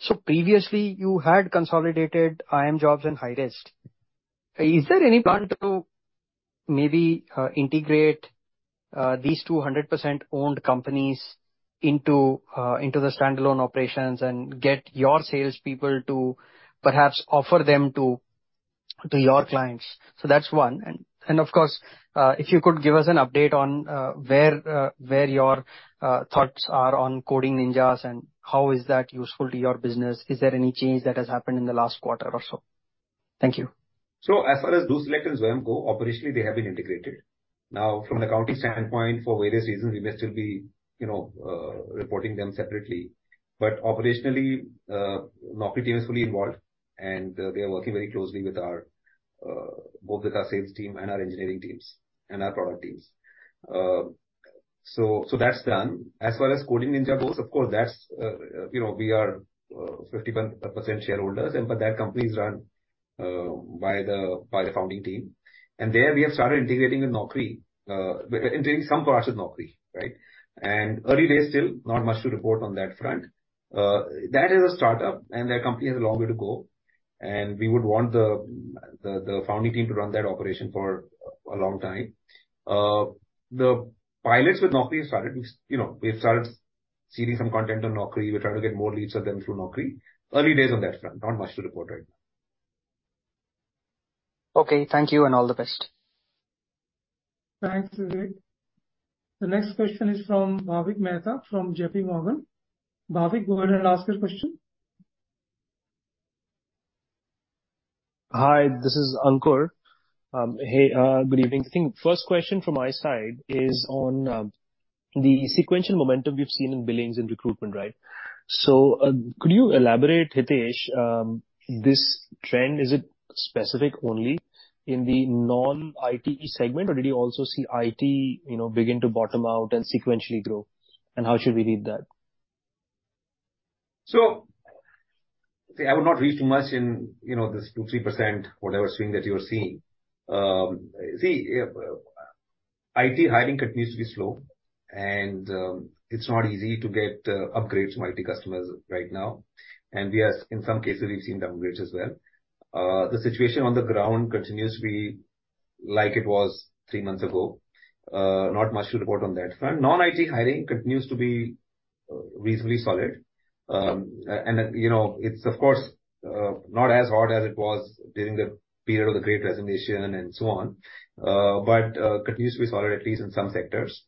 So previously you had consolidated iimjobs and Hirist. Is there any plan to maybe integrate these two 100% owned companies into the standalone operations and get your salespeople to perhaps offer them to your clients? So that's one. And of course, if you could give us an update on where your thoughts are on Coding Ninjas, and how is that useful to your business? Is there any change that has happened in the last quarter or so? Thank you. So as far as DoSelect and Zomato go, operationally, they have been integrated. Now, from an accounting standpoint, for various reasons, we may still be, you know, reporting them separately. But operationally, Naukri team is fully involved, and they are working very closely with our both with our sales team and our engineering teams and our product teams. So, so that's done. As far as Coding Ninjas goes, of course, that's, you know, we are 51% shareholders, and but that company is run by the founding team. And there we have started integrating with Naukri, integrating some parts with Naukri, right? And early days, still, not much to report on that front. That is a start-up, and that company has a long way to go, and we would want the. The founding team to run that operation for a long time. The pilots with Naukri started. We, you know, we've started seeding some content on Naukri. We're trying to get more leads of them through Naukri. Early days on that front, not much to report right now. Okay, thank you, and all the best. Thanks, Vivek. The next question is from Bhavik Mehta from JPMorgan. Bhavik, go ahead and ask your question. Hi, this is Ankur. Hey, good evening. I think first question from my side is on the sequential momentum we've seen in billings and recruitment, right? So, could you elaborate, Hitesh, this trend, is it specific only in the non-IT segment, or did you also see IT, you know, begin to bottom out and sequentially grow, and how should we read that? So see, I would not read too much in, you know, this 2%-3% whatever swing that you are seeing. See, IT hiring continues to be slow, and it's not easy to get upgrades from IT customers right now. And we are. In some cases, we've seen downgrades as well. The situation on the ground continues to be like it was three months ago. Not much to report on that front. Non-IT hiring continues to be reasonably solid. And, you know, it's of course not as hot as it was during the period of the great resignation and so on, but continues to be solid, at least in some sectors.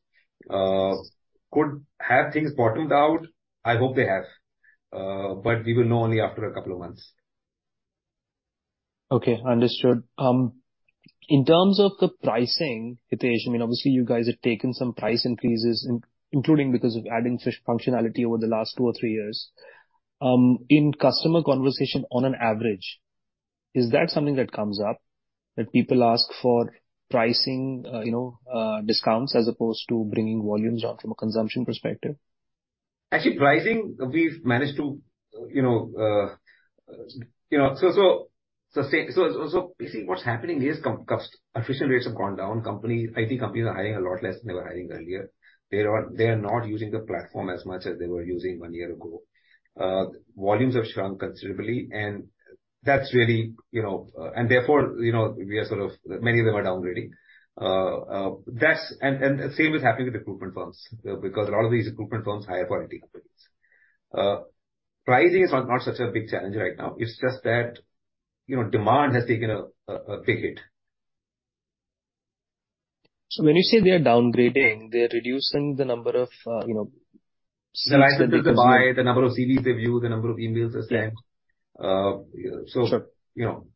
Could things have bottomed out? I hope they have, but we will know only after a couple of months. Okay, understood. In terms of the pricing, Hitesh, I mean, obviously you guys have taken some price increases, including because of adding functionality over the last two or three years. In customer conversation on an average, is that something that comes up, that people ask for pricing, you know, discounts, as opposed to bringing volumes on from a consumption perspective? Actually, pricing, we've managed to, you know, you know. So basically what's happening is customer attrition rates have gone down. Companies, IT companies are hiring a lot less than they were hiring earlier. They are, they are not using the platform as much as they were using one year ago. Volumes have shrunk considerably, and that's really, you know. And therefore, you know, we are sort of, many of them are downgrading. That's, and the same is happening with recruitment firms, because a lot of these recruitment firms hire for IT companies. Pricing is not such a big challenge right now. It's just that, you know, demand has taken a big hit. So when you say they are downgrading, they're reducing the number of, you know, seats that they can buy? The number of CVs they view, the number of emails they send. Sure. You know.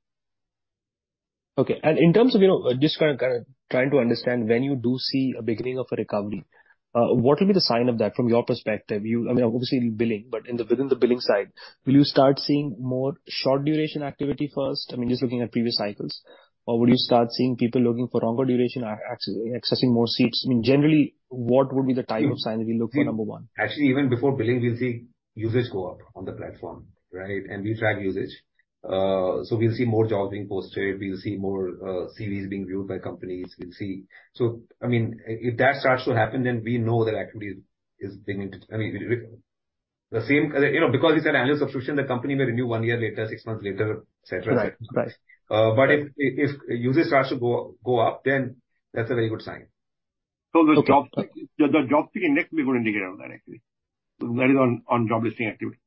Okay. And in terms of, you know, just kind of, kind of trying to understand, when you do see a beginning of a recovery, what will be the sign of that from your perspective? You, I mean, obviously, billing, but in the, within the billing side, will you start seeing more short-duration activity first? I mean, just looking at previous cycles. Or will you start seeing people looking for longer duration, accessing more seats? I mean, generally, what would be the type of sign we look for, number one? Actually, even before billing, we'll see usage go up on the platform, right? And we track usage. So we'll see more jobs being posted. We'll see more CVs being viewed by companies. We'll see. So I mean, if that starts to happen, then we know that activity is beginning to, I mean, the same, you know, because it's an annual subscription, the company may renew one year later, six months later, et cetera. Right. Right. But if usage starts to go up, then that's a very good sign. So the JobSpeak will indicate on that actually. That is on job listing activity.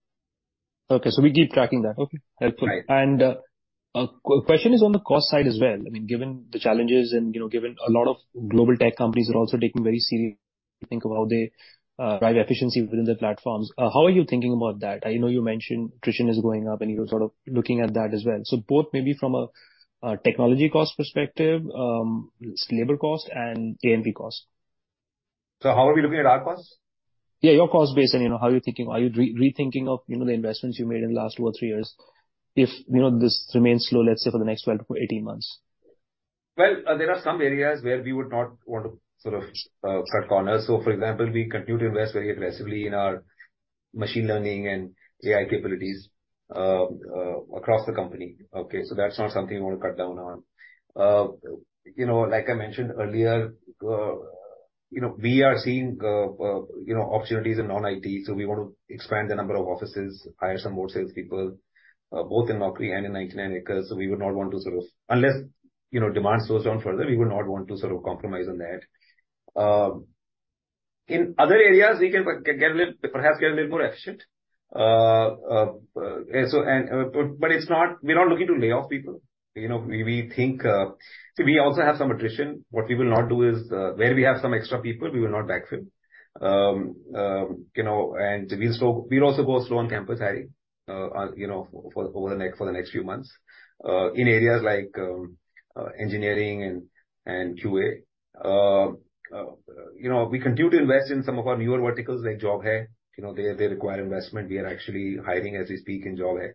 Okay, so we keep tracking that. Okay, helpful. Right. Question is on the cost side as well. I mean, given the challenges and, you know, given a lot of global tech companies are also taking very seriously to think about how they drive efficiency within their platforms, how are you thinking about that? I know you mentioned attrition is going up, and you were sort of looking at that as well. So both maybe from a technology cost perspective, labor cost and P&P cost. So how are we looking at our costs? Yeah, your cost base and, you know, how are you thinking? Are you rethinking of, you know, the investments you made in the last two or three years, if, you know, this remains slow, let's say, for the next 12-18 months? Well, there are some areas where we would not want to sort of cut corners. So, for example, we continue to invest very aggressively in our machine learning and AI capabilities across the company, okay? So that's not something we want to cut down on. You know, like I mentioned earlier, you know, we are seeing you know, opportunities in non-IT, so we want to expand the number of offices, hire some more salespeople both in Naukri and in 99acres. So we would not want to sort of. Unless, you know, demand slows down further, we would not want to sort of compromise on that. In other areas, we can get a little, perhaps get a little more efficient. So and, but, but it's not - we're not looking to lay off people. You know, we, we think. See, we also have some attrition. What we will not do is, where we have some extra people, we will not backfill. You know, and we'll slow, we'll also go slow on campus hiring, you know, for, over the next, for the next few months, in areas like, engineering and, and QA. You know, we continue to invest in some of our newer verticals, like Job Hai, you know, they, they require investment. We are actually hiring as we speak in Job Hai.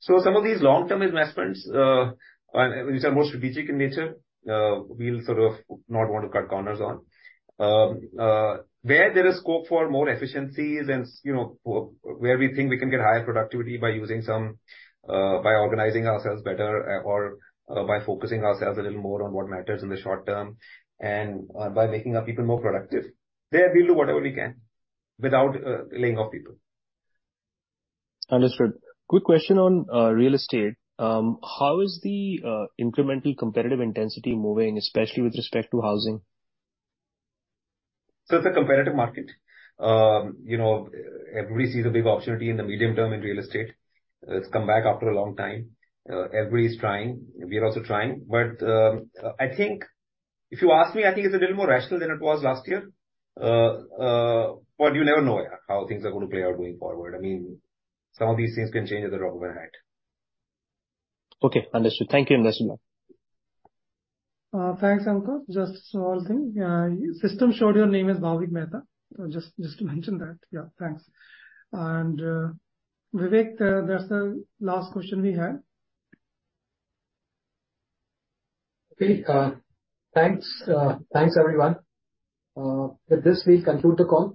So some of these long-term investments, and which are more strategic in nature, we'll sort of not want to cut corners on. Where there is scope for more efficiencies and, you know, where we think we can get higher productivity by organizing ourselves better or by focusing ourselves a little more on what matters in the short term, and by making our people more productive, there we'll do whatever we can without laying off people. Understood. Quick question on real estate. How is the incremental competitive intensity moving, especially with respect to housing? It's a competitive market. You know, everybody sees a big opportunity in the medium term in real estate. It's come back after a long time. Everybody's trying, we are also trying. But, I think if you ask me, I think it's a little more rational than it was last year. But you never know how things are going to play out going forward. I mean, some of these things can change at the drop of a hat. Okay, understood. Thank you, Hitesh. Thanks, Ankur. Just a small thing, system showed your name is Bhavik Mehta. So just, just to mention that. Yeah, thanks. And, Vivek, that's the last question we have. Okay, thanks. Thanks, everyone. With this, we conclude the call.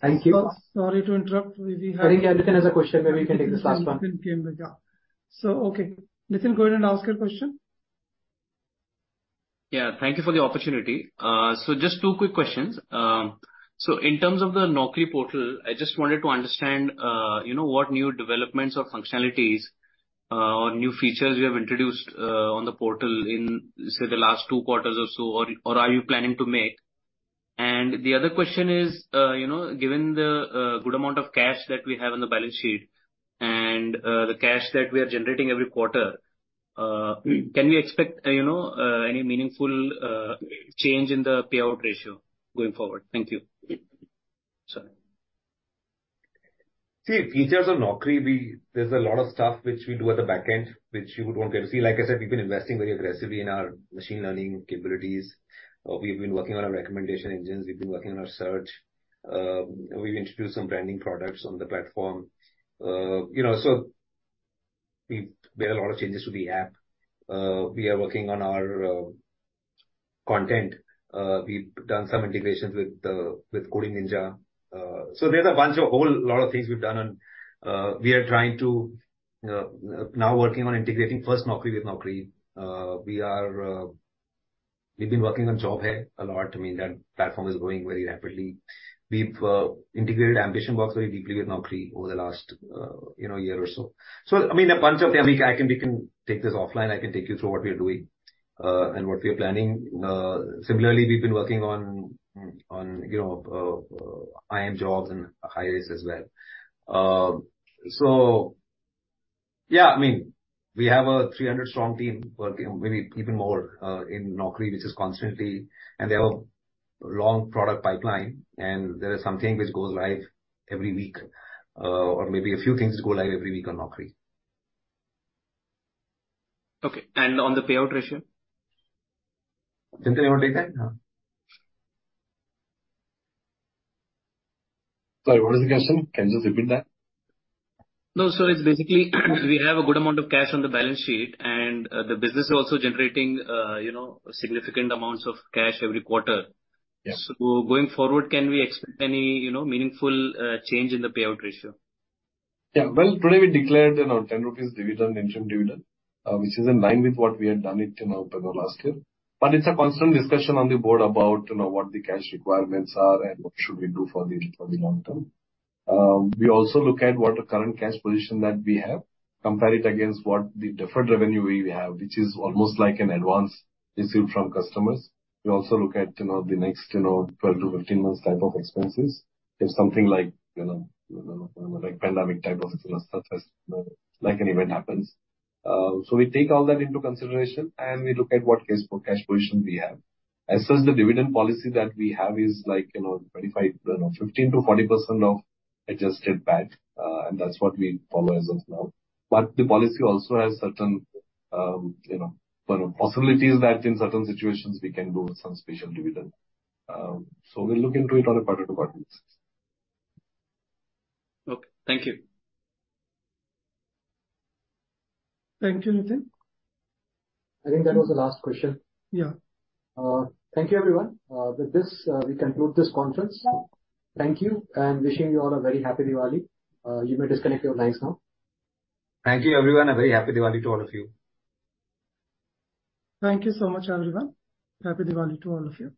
Thank you. Sorry to interrupt. We had, I think has a question. Maybe we can take this last one. Came back, yeah. So, okay,, go ahead and ask your question. Yeah, thank you for the opportunity. So just two quick questions. So in terms of the Naukri portal, I just wanted to understand, you know, what new developments or functionalities, or new features you have introduced, on the portal in, say, the last two quarters or so, or are you planning to make? And the other question is, you know, given the good amount of cash that we have on the balance sheet and the cash that we are generating every quarter, can we expect, you know, any meaningful change in the payout ratio going forward? Thank you. Sorry. See, features on Naukri. There's a lot of stuff which we do at the back end, which you won't get to see. Like I said, we've been investing very aggressively in our machine learning capabilities. We've been working on our recommendation engines. We've been working on our search. We've introduced some branding products on the platform. You know, so we've made a lot of changes to the app. We are working on our content. We've done some integrations with Coding Ninjas. So there's a bunch of, a whole lot of things we've done and we are trying to now working on integrating FirstNaukri with Naukri. We've been working on Job Hai a lot. I mean, that platform is growing very rapidly. We've integrated AmbitionBox very deeply with Naukri over the last, you know, year or so. So, I mean, a bunch of them. We can take this offline. I can take you through what we are doing, and what we are planning. Similarly, we've been working on, you know, high-end jobs and high as well. So yeah, I mean, we have a 300-strong team working, maybe even more, in Naukri, which is constantly. And there are long product pipeline, and there is something which goes live every week, or maybe a few things go live every week on Naukri. Okay. And on the payout ratio? You want to take that? Sorry, what is the question? Can you just repeat that? No, sir. It's basically, we have a good amount of cash on the balance sheet, and, the business is also generating, you know, significant amounts of cash every quarter. Yeah. So going forward, can we expect any, you know, meaningful change in the payout ratio? Yeah. Well, today we declared 10 rupees dividend, interim dividend, which is in line with what we had done it in October last year. But it's a constant discussion on the board about, you know, what the cash requirements are and what should we do for the, for the long term. We also look at what the current cash position that we have, compare it against what the deferred revenue we have, which is almost like an advance received from customers. We also look at, you know, the next, you know, 12-15 months type of expenses. If something like, you know, like pandemic type of like an event happens. So we take all that into consideration, and we look at what cash, cash position we have. As such, the dividend policy that we have is like, you know, 25%, 15%-40% of adjusted PAT, and that's what we follow as of now. But the policy also has certain, you know, possibilities that in certain situations we can do some special dividend. So we'll look into it on a quarter to quarter basis. Okay. Thank you. Thank you,. I think that was the last question. Yeah. Thank you, everyone. With this, we conclude this conference. Yeah. Thank you, and wishing you all a very happy Diwali. You may disconnect your lines now. Thank you, everyone, a very happy Diwali to all of you. Thank you so much, everyone. Happy Diwali to all of you.